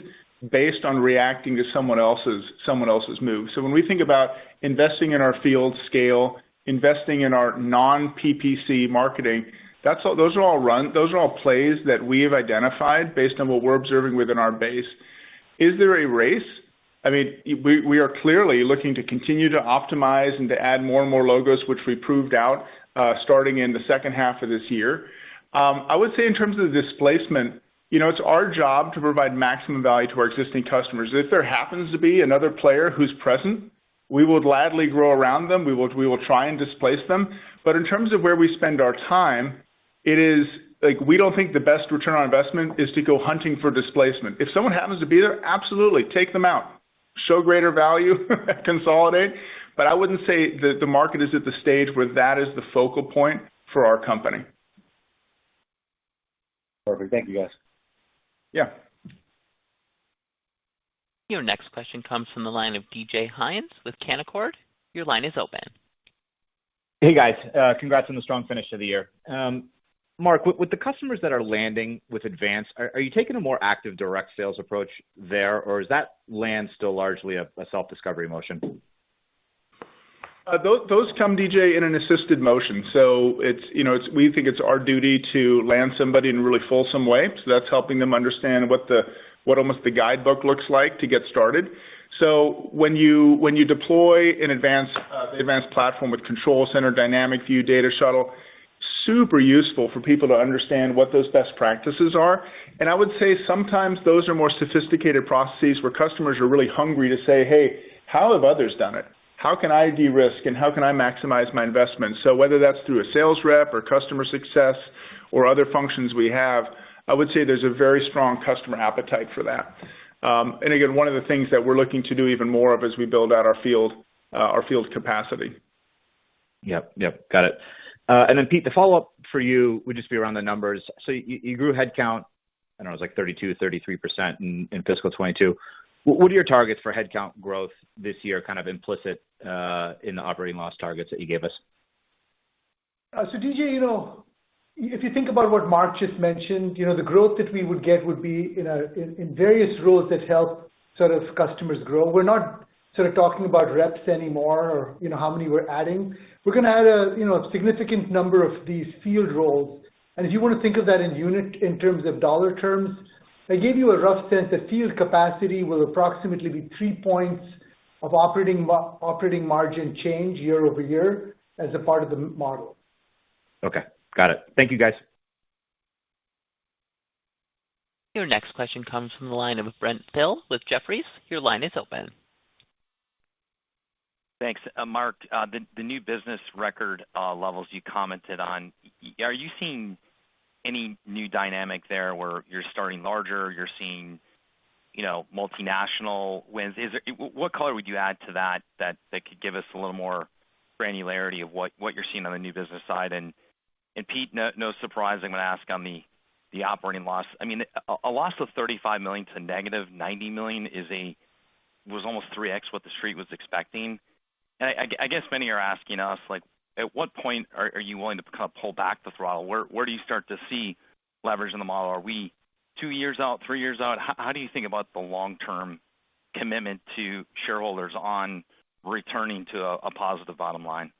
based on reacting to someone else's move. When we think about investing in our field sales, investing in our non-PPC marketing, that's all runs. Those are all plays that we have identified based on what we're observing within our base. Is there a race? I mean, we are clearly looking to continue to optimize and to add more and more logos, which we proved out starting in the second half of this year. I would say in terms of displacement, you know, it's our job to provide maximum value to our existing customers. If there happens to be another player who's present, we will gladly grow around them. We will try and displace them. In terms of where we spend our time, it is like, we don't think the best return on investment is to go hunting for displacement. If someone happens to be there, absolutely. Take them out, show greater value, consolidate. I wouldn't say that the market is at the stage where that is the focal point for our company. Perfect. Thank you, guys. Yeah. Your next question comes from the line of D.J. Hynes with Canaccord. Your line is open. Hey, guys. Congrats on the strong finish of the year. Mark, with the customers that are landing with Advance, are you taking a more active direct sales approach there, or is that land still largely a self-discovery motion? Those come, D.J., in an assisted motion. It's, you know, we think it's our duty to land somebody in a really fulsome way, that's helping them understand what almost the guidebook looks like to get started. When you deploy an Advance platform with Control Center, Dynamic View, Data Shuttle, super useful for people to understand what those best practices are. I would say sometimes those are more sophisticated processes where customers are really hungry to say, "Hey, how have others done it? How can I de-risk and how can I maximize my investment?" Whether that's through a sales rep or customer success or other functions we have, I would say there's a very strong customer appetite for that. One of the things that we're looking to do even more of as we build out our field capacity. Yep. Got it. And then Pete, the follow-up for you would just be around the numbers. You grew headcount, I don't know, it was like 32%-33% in fiscal 2022. What are your targets for headcount growth this year, kind of implicit in the operating loss targets that you gave us? DJ, you know, if you think about what Mark just mentioned, you know, the growth that we would get would be in various roles that help sort of customers grow. We're not sort of talking about reps anymore or, you know, how many we're adding. We're gonna add a, you know, a significant number of these field roles. If you wanna think of that in terms of dollar terms, I gave you a rough sense that field capacity will approximately be 3 points of operating margin change year-over-year as a part of the model. Okay. Got it. Thank you, guys. Your next question comes from the line of Brent Thill with Jefferies. Your line is open. Thanks. Mark, the new business record levels you commented on, are you seeing any new dynamic there where you're starting larger, you're seeing, you know, multinational wins? What color would you add to that that could give us a little more granularity of what you're seeing on the new business side? Pete, no surprise I'm gonna ask on the operating loss. I mean, a loss of $35 million to -$90 million is almost 3x what the street was expecting. I guess many are asking us, like, at what point are you willing to kinda pull back the throttle? Where do you start to see leverage in the model? Are we two years out, three years out? How do you think about the long-term commitment to shareholders on returning to a positive bottom line?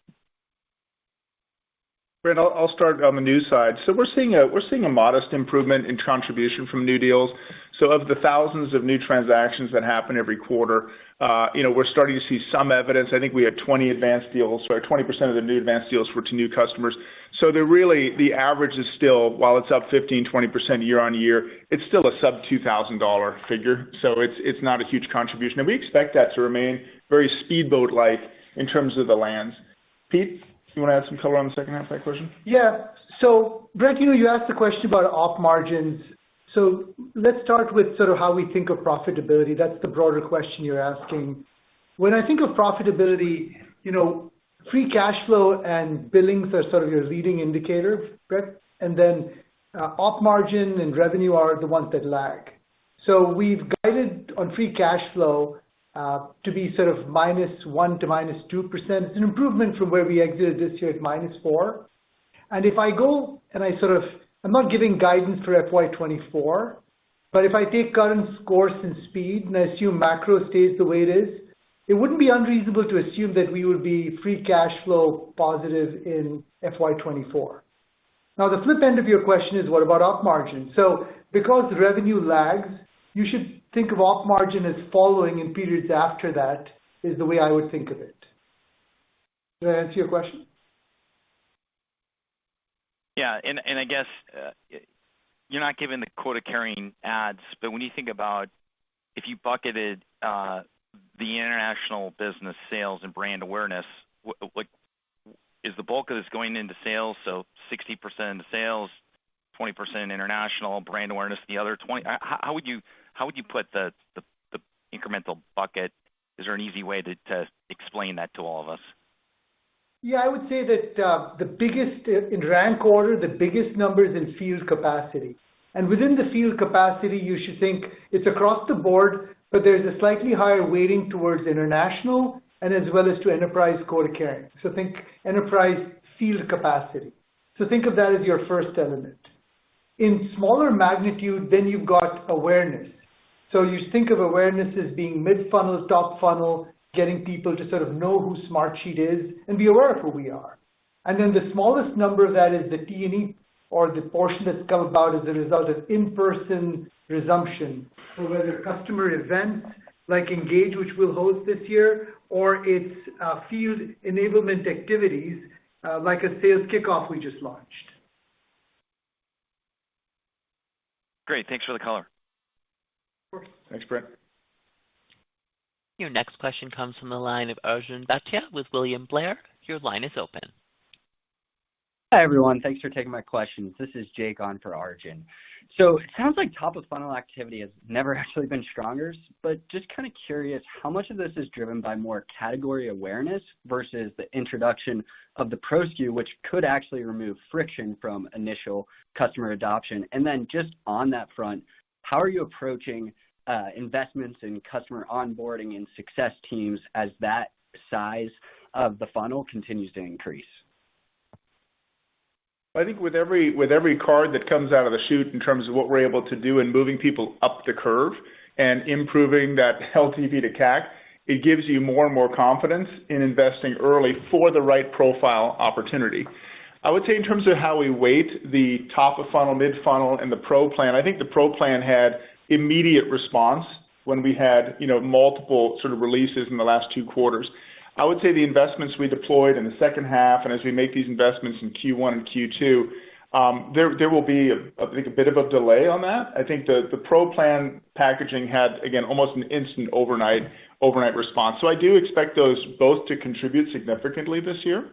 Brent, I'll start on the new side. We're seeing a modest improvement in contribution from new deals. Of the thousands of new transactions that happen every quarter, you know, we're starting to see some evidence. I think we had 20 Advance deals, or 20% of the new Advance deals were to new customers. They're really, the average is still, while it's up 15%-20% year-over-year, it's still a sub $2,000 figure. It's not a huge contribution. We expect that to remain very speedboat like in terms of the lands. Pete, do you wanna add some color on the second half of that question? Brent, you asked the question about op margins. Let's start with sort of how we think of profitability. That's the broader question you're asking. When I think of profitability, you know, free cash flow and billings are sort of your leading indicator, Brent. Then, op margin and revenue are the ones that lag. We've guided on free cash flow to be sort of -1% to -2%. It's an improvement from where we exited this year at -4%. If I go and I sort of, I'm not giving guidance for FY 2024, but if I take current course and speed, and I assume macro stays the way it is, it wouldn't be unreasonable to assume that we would be free cash flow positive in FY 2024. Now, the flip side of your question is what about op margin? Because revenue lags, you should think of op margin as following in periods after that, is the way I would think of it. Did I answer your question? Yeah. I guess you're not giving the quota carrying adds, but when you think about if you bucketed the international business sales and brand awareness, what is the bulk of this going into sales, so 60% into sales, 20% international, brand awareness the other 20%? How would you put the incremental bucket? Is there an easy way to explain that to all of us? Yeah. I would say that, the biggest, in rank order, the biggest number is in field capacity. Within the field capacity, you should think it's across the board, but there's a slightly higher weighting towards international and as well as to enterprise quota carrying. Think enterprise field capacity. Think of that as your first element. In smaller magnitude than you've got awareness. You think of awareness as being mid-funnel, top funnel, getting people to sort of know who Smartsheet is and be aware of who we are. Then the smallest number that is the T&E or the portion that's come about as a result of in-person resumption. Whether customer events like ENGAGE, which we'll host this year, or it's, field enablement activities, like a sales kickoff we just launched. Great. Thanks for the color. Of course. Thanks, Brent. Your next question comes from the line of Arjun Bhatia with William Blair. Your line is open. Hi, everyone. Thanks for taking my questions. This is Jake on for Arjun. It sounds like top of funnel activity has never actually been stronger, but just kind of curious how much of this is driven by more category awareness versus the introduction of the Pro SKU, which could actually remove friction from initial customer adoption. Just on that front, how are you approaching investments in customer onboarding and success teams as that size of the funnel continues to increase? I think with every card that comes out of the chute in terms of what we're able to do in moving people up the curve and improving that LTV to CAC, it gives you more and more confidence in investing early for the right profile opportunity. I would say in terms of how we weight the top of funnel, mid-funnel, and the Pro Plan, I think the Pro Plan had immediate response when we had, you know, multiple sort of releases in the last two quarters. I would say the investments we deployed in the second half, and as we make these investments in Q1 and Q2, there will be a, I think a bit of a delay on that. I think the Pro Plan packaging had, again, almost an instant overnight response. I do expect those both to contribute significantly this year.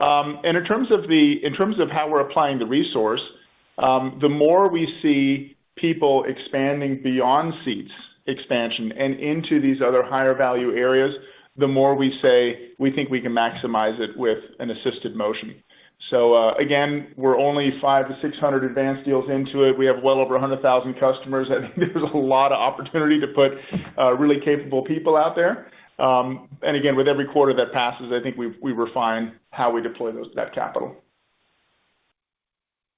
In terms of how we're applying the resource, the more we see people expanding beyond seats expansion and into these other higher value areas, the more we say we think we can maximize it with an assisted motion. Again, we're only 500-600 Advance deals into it. We have well over 100,000 customers. I think there's a lot of opportunity to put really capable people out there. Again, with every quarter that passes, I think we refine how we deploy that capital.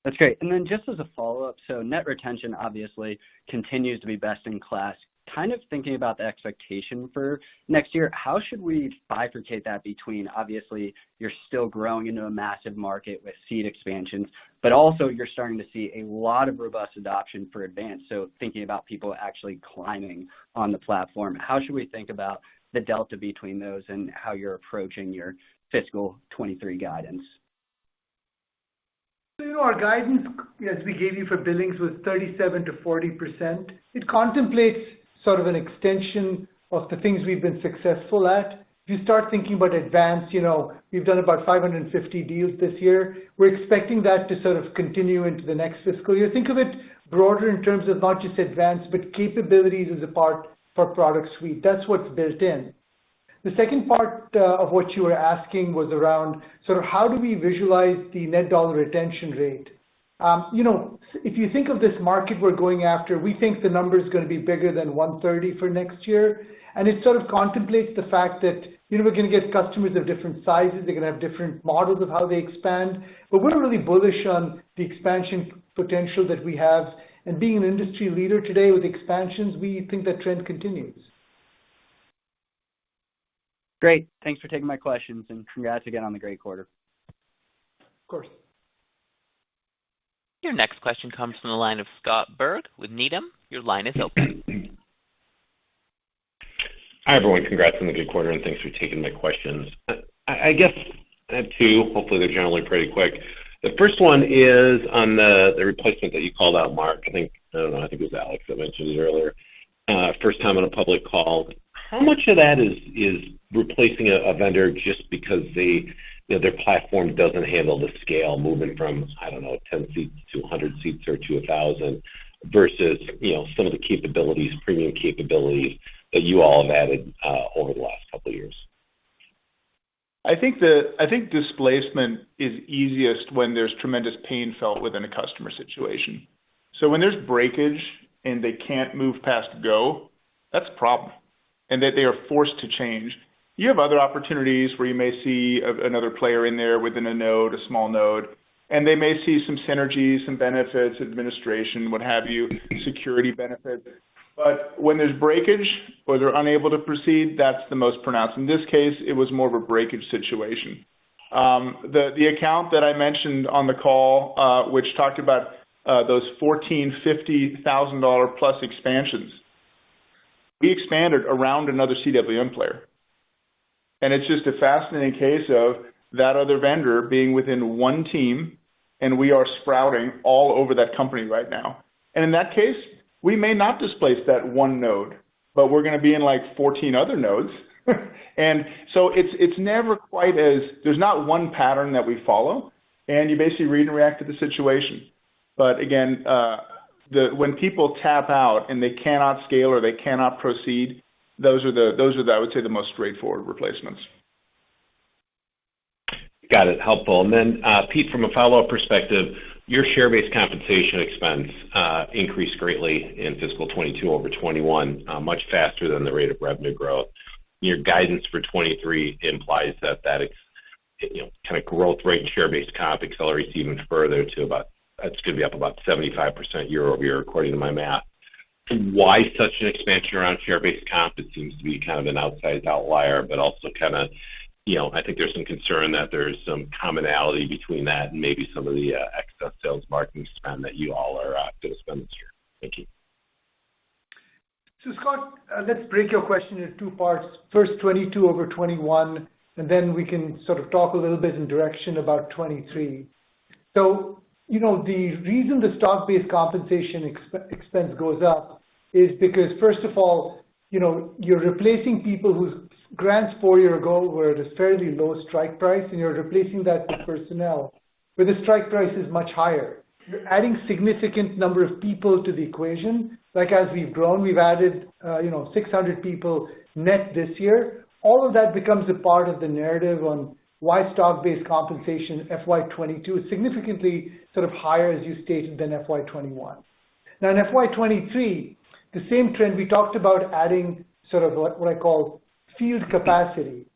That's great. Then just as a follow-up, net retention obviously continues to be best in class. Kind of thinking about the expectation for next year, how should we bifurcate that between obviously, you're still growing into a massive market with seat expansions, but also you're starting to see a lot of robust adoption for Advance. Thinking about people actually climbing on the platform, how should we think about the delta between those and how you're approaching your fiscal 2023 guidance? Our guidance, as we gave you for billings, was 37%-40%. It contemplates sort of an extension of the things we've been successful at. If you start thinking about advance, you know, we've done about 550 deals this year. We're expecting that to sort of continue into the next fiscal year. Think of it broader in terms of not just advance, but capabilities as a part for product suite. That's what's built in. The second part of what you were asking was around sort of how do we visualize the net dollar retention rate? You know, if you think of this market we're going after, we think the number is gonna be bigger than 130% for next year. It sort of contemplates the fact that, you know, we're gonna get customers of different sizes. They're gonna have different models of how they expand. We're really bullish on the expansion potential that we have. Being an industry leader today with expansions, we think that trend continues. Great. Thanks for taking my questions, and congrats again on the great quarter. Of course. Your next question comes from the line of Scott Berg with Needham. Your line is open. Hi, everyone. Congrats on the good quarter, and thanks for taking my questions. I guess I have two. Hopefully, they're generally pretty quick. The first one is on the replacement that you called out, Mark, I think. I don't know, I think it was Alex that mentioned it earlier. First time on a public call. How much of that is replacing a vendor just because they, you know, their platform doesn't handle the scale moving from 10 seats to 100 seats or to 1,000 versus, you know, some of the capabilities, premium capabilities that you all have added over the last couple of years? I think displacement is easiest when there's tremendous pain felt within a customer situation. When there's breakage, and they can't move past go, that's a problem, and that they are forced to change. You have other opportunities where you may see another player in there within a node, a small node, and they may see some synergies, some benefits, administration, what have you, security benefits. When there's breakage where they're unable to proceed, that's the most pronounced. In this case, it was more of a breakage situation. The account that I mentioned on the call, which talked about those 14 $50,000+ expansions, we expanded around another CWM player. It's just a fascinating case of that other vendor being within one team, and we are sprouting all over that company right now. In that case, we may not displace that one node, but we're gonna be in like 14 other nodes. It's never quite as, there's not one pattern that we follow, and you basically read and react to the situation. Again, when people tap out and they cannot scale or they cannot proceed, those are, I would say, the most straightforward replacements. Got it. Helpful. Then, Pete, from a follow-up perspective, your share-based compensation expense increased greatly in fiscal 2022 over 2021, much faster than the rate of revenue growth. Your guidance for 2023 implies that that, you know, kind of growth rate and share-based comp accelerates even further to about. That's gonna be up about 75% year-over-year according to my math. Why such an expansion around share-based comp? It seems to be kind of an outsized outlier, but also kind of, you know, I think there's some commonality between that and maybe some of the excess sales marketing spend that you all are gonna spend this year. Thank you. Scott, let's break your question in two parts. First, 2022 over 2021, and then we can sort of talk a little bit in direction about 2023. You know, the reason the stock-based compensation expense goes up is because, first of all, you know, you're replacing people whose grants four years ago were at a fairly low strike price, and you're replacing that with personnel, but the strike price is much higher. You're adding significant number of people to the equation. Like as we've grown, we've added, you know, 600 people net this year. All of that becomes a part of the narrative on why stock-based compensation FY 2022 is significantly sort of higher, as you stated, than FY 2021. Now in FY 2023, the same trend, we talked about adding sort of what I call field capacity.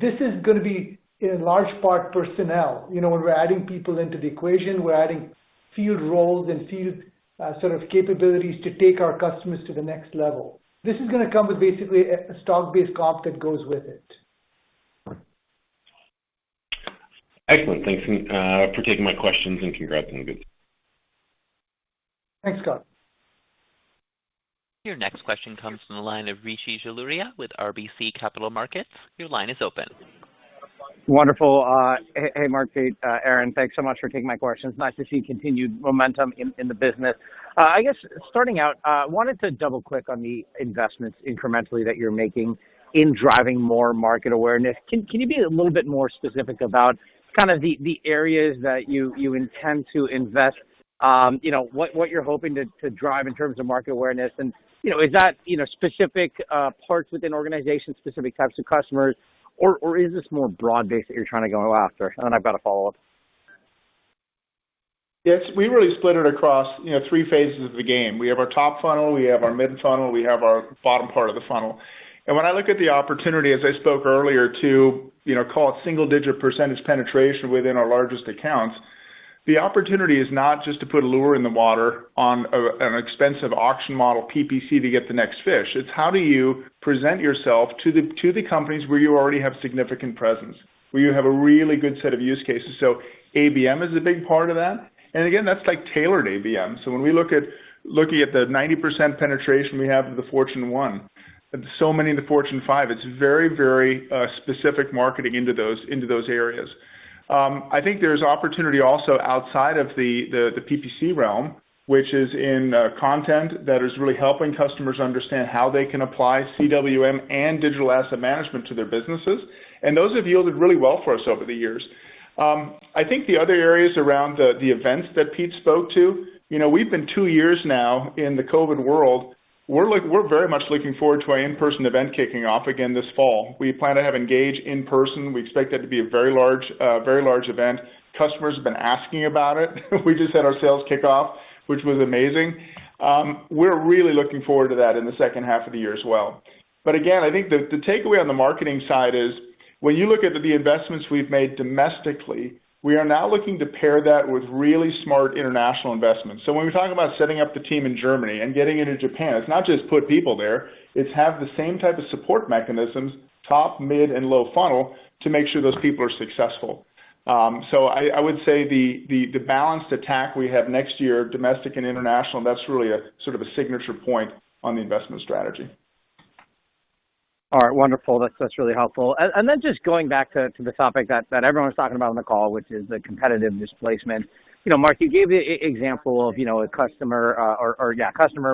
This is gonna be in large part personnel. You know, when we're adding people into the equation, we're adding field roles and field sort of capabilities to take our customers to the next level. This is gonna come with basically a stock-based comp that goes with it. Excellent. Thanks for taking my questions, and congrats on the good quarter. Thanks, Scott. Your next question comes from the line of Rishi Jaluria with RBC Capital Markets. Your line is open. Wonderful. Hey, Mark, Pete, Aaron. Thanks so much for taking my questions. Nice to see continued momentum in the business. I guess starting out, I wanted to double-click on the investments incrementally that you're making in driving more market awareness. Can you be a little bit more specific about kind of the areas that you intend to invest? You know, what you're hoping to drive in terms of market awareness? You know, is that specific parts within organizations, specific types of customers, or is this more broad-based that you're trying to go after? I've got a follow-up. Yes. We really split it across, you know, three phases of the game. We have our top funnel, we have our mid-funnel, we have our bottom part of the funnel. When I look at the opportunity, as I spoke earlier, to, you know, call it single-digit percentage penetration within our largest accounts, the opportunity is not just to put a lure in the water on an expensive auction model PPC to get the next fish. It's how do you present yourself to the, to the companies where you already have significant presence, where you have a really good set of use cases. ABM is a big part of that. Again, that's like tailored ABM. When we look at the 90% penetration we have with the Fortune 1 and so many in the Fortune 5, it's very specific marketing into those areas. I think there's opportunity also outside of the PPC realm, which is in content that is really helping customers understand how they can apply CWM and digital asset management to their businesses. Those have yielded really well for us over the years. I think the other areas around the events that Pete spoke to, you know, we've been two years now in the COVID world. We're very much looking forward to our in-person event kicking off again this fall. We plan to have ENGAGE in person. We expect that to be a very large event. Customers have been asking about it. We just had our sales kickoff, which was amazing. We're really looking forward to that in the second half of the year as well. Again, I think the takeaway on the marketing side is when you look at the investments we've made domestically, we are now looking to pair that with really smart international investments. When we talk about setting up the team in Germany and getting into Japan, it's not just put people there, it's have the same type of support mechanisms, top, mid, and low funnel to make sure those people are successful. I would say the balanced attack we have next year, domestic and international, that's really a sort of a signature point on the investment strategy. All right. Wonderful. That's really helpful. Then just going back to the topic that everyone's talking about on the call, which is the competitive displacement. You know, Mark, you gave the example of, you know, a customer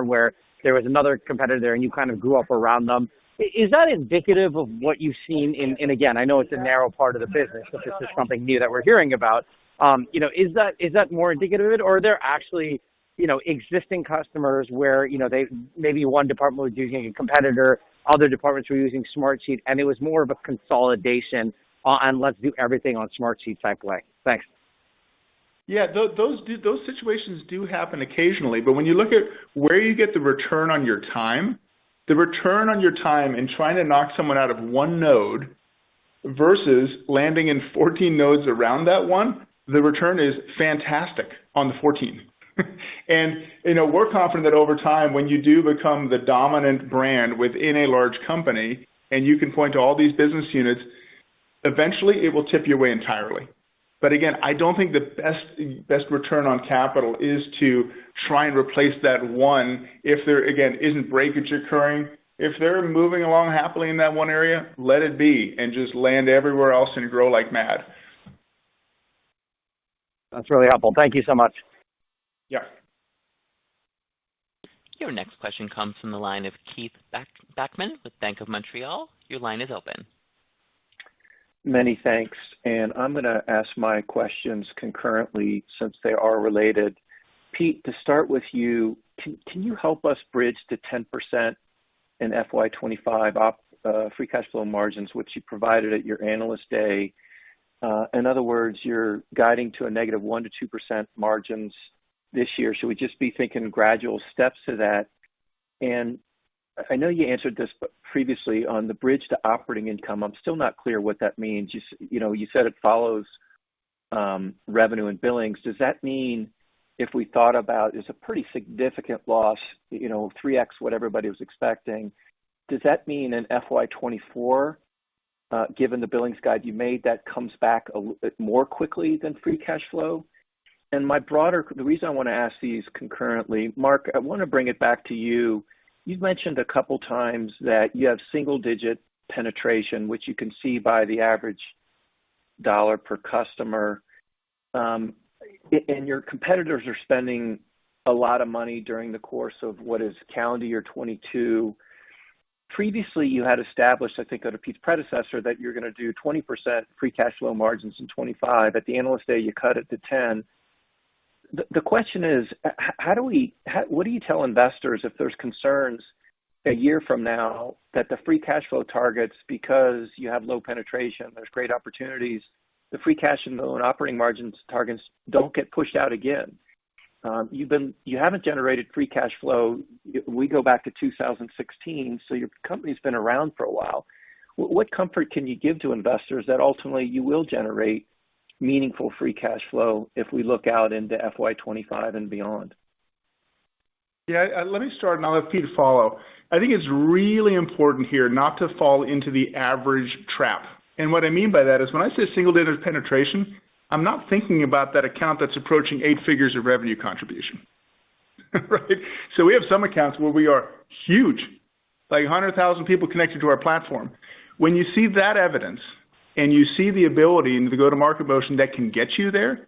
where there was another competitor and you kind of grew up around them. Is that indicative of what you've seen in? Again, I know it's a narrow part of the business, but this is something new that we're hearing about. You know, is that more indicative of it or are there actually, you know, existing customers where, you know, they maybe one department was using a competitor, other departments were using Smartsheet, and it was more of a consolidation on let's do everything on Smartsheet type of way? Thanks. Yeah, those situations do happen occasionally. When you look at where you get the return on your time in trying to knock someone out of one node versus landing in 14 nodes around that one, the return is fantastic on the 14. You know, we're confident that over time, when you do become the dominant brand within a large company, and you can point to all these business units, eventually it will tip your way entirely. Again, I don't think the best return on capital is to try and replace that one if there, again, isn't breakage occurring. If they're moving along happily in that one area, let it be and just land everywhere else and grow like mad. That's really helpful. Thank you so much. Yeah. Your next question comes from the line of Keith Bachman with Bank of Montreal. Your line is open. Many thanks. I'm gonna ask my questions concurrently since they are related. Pete, to start with you, can you help us bridge to 10% in FY 2025 free cash flow margins, which you provided at your Analyst Day? In other words, you're guiding to a -1%-2% margins this year. Should we just be thinking gradual steps to that? I know you answered this previously on the bridge to operating income. I'm still not clear what that means. You said it follows revenue and billings. Does that mean if we thought about, it's a pretty significant loss, 3x what everybody was expecting. Does that mean in FY 2024, given the billings guide you made, that comes back more quickly than free cash flow? My broader. The reason I wanna ask these concurrently, Mark, I wanna bring it back to you. You've mentioned a couple times that you have single-digit penetration, which you can see by the average dollar per customer. And your competitors are spending a lot of money during the course of what is calendar year 2022. Previously, you had established, I think under Pete's predecessor, that you're gonna do 20% free cash flow margins in 2025. At the Analyst Day, you cut it to 10%. The question is, what do you tell investors if there's concerns a year from now that the free cash flow targets, because you have low penetration, there's great opportunities, the free cash flow and operating margins targets don't get pushed out again? You haven't generated free cash flow, we go back to 2016, so your company's been around for a while. What comfort can you give to investors that ultimately you will generate meaningful free cash flow if we look out into FY 2025 and beyond? Yeah, let me start, and I'll let Pete follow. I think it's really important here not to fall into the average trap. What I mean by that is when I say single-digit penetration, I'm not thinking about that account that's approaching eight figures of revenue contribution, right? We have some accounts where we are huge, like 100,000 people connected to our platform. When you see that evidence, and you see the ability and the go-to-market motion that can get you there,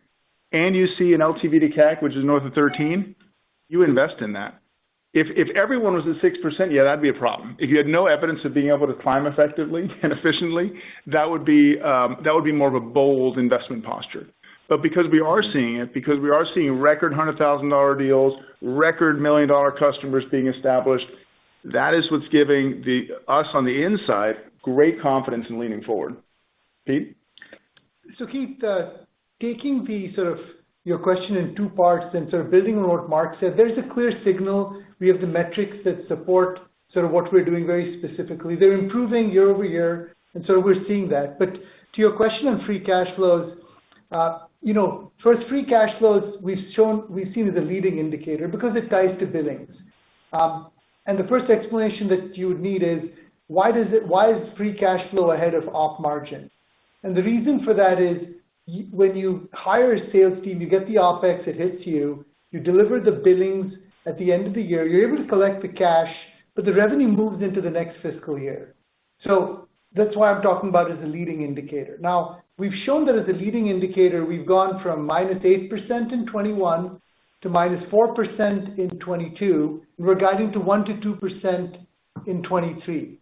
and you see an LTV to CAC, which is north of 13, you invest in that. If everyone was at 6%, yeah, that'd be a problem. If you had no evidence of being able to climb effectively and efficiently, that would be more of a bold investment posture. Because we are seeing record $100,000 deals, record million-dollar customers being established, that is what's giving us on the inside great confidence in leaning forward. Pete. Keith, taking your question in two parts and building on what Mark said, there's a clear signal. We have the metrics that support what we're doing very specifically. They're improving year-over-year, and we're seeing that. To your question on free cash flows, you know, first, free cash flows we've seen as a leading indicator because it ties to billings. And the first explanation that you would need is why is free cash flow ahead of op margin? And the reason for that is when you hire a sales team, you get the OpEx, it hits you deliver the billings. At the end of the year, you're able to collect the cash, but the revenue moves into the next fiscal year. That's why I'm talking about as a leading indicator. Now, we've shown that as a leading indicator, we've gone from -8% in 2021 to -4% in 2022. We're guiding to 1%-2% in 2023.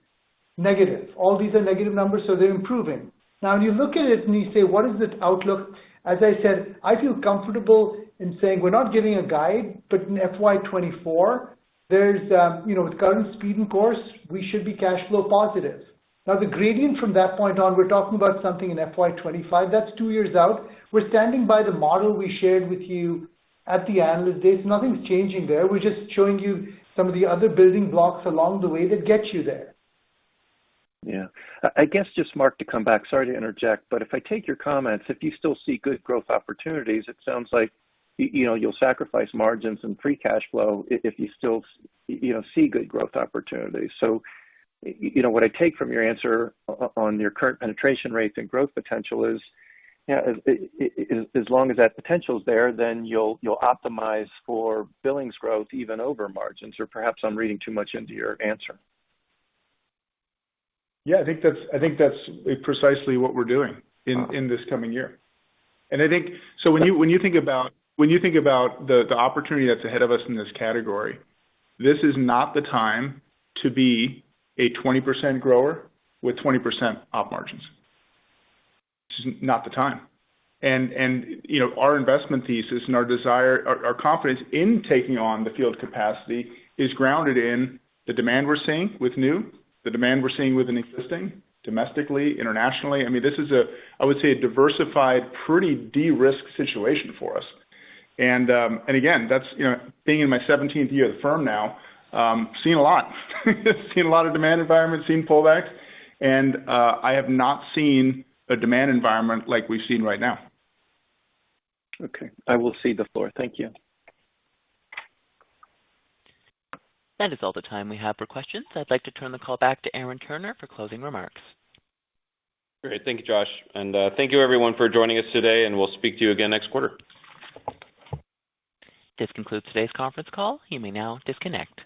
Negative. All these are negative numbers, so they're improving. Now when you look at it and you say, what is its outlook? As I said, I feel comfortable in saying we're not giving a guide, but in FY 2024, there's, you know, with current speed and course, we should be cash flow positive. Now, the gradient from that point on, we're talking about something in FY 2025. That's two years out. We're standing by the model we shared with you at the Analyst Day. Nothing's changing there. We're just showing you some of the other building blocks along the way that get you there. Yeah. I guess just Mark to come back. Sorry to interject, but if I take your comments, if you still see good growth opportunities, it sounds like you know, you'll sacrifice margins and free cash flow if you still you know, see good growth opportunities. You know, what I take from your answer on your current penetration rates and growth potential is, yeah, as long as that potential is there, then you'll optimize for billings growth even over margins. Or perhaps I'm reading too much into your answer. Yeah, I think that's precisely what we're doing in this coming year. I think when you think about the opportunity that's ahead of us in this category, this is not the time to be a 20% grower with 20% op margins. This is not the time. You know, our investment thesis and our desire, our confidence in taking on the full capacity is grounded in the demand we're seeing with new, the demand we're seeing within existing domestically, internationally. I mean, this is, I would say, a diversified, pretty de-risked situation for us. Again, that's you know, being in my seventeenth year at the firm now, seen a lot. seen a lot of demand environments, seen pullbacks, and I have not seen a demand environment like we've seen right now. Okay. I will cede the floor. Thank you. That is all the time we have for questions. I'd like to turn the call back to Aaron Turner for closing remarks. Great. Thank you, Josh. Thank you everyone for joining us today, and we'll speak to you again next quarter. This concludes today's conference call. You may now disconnect.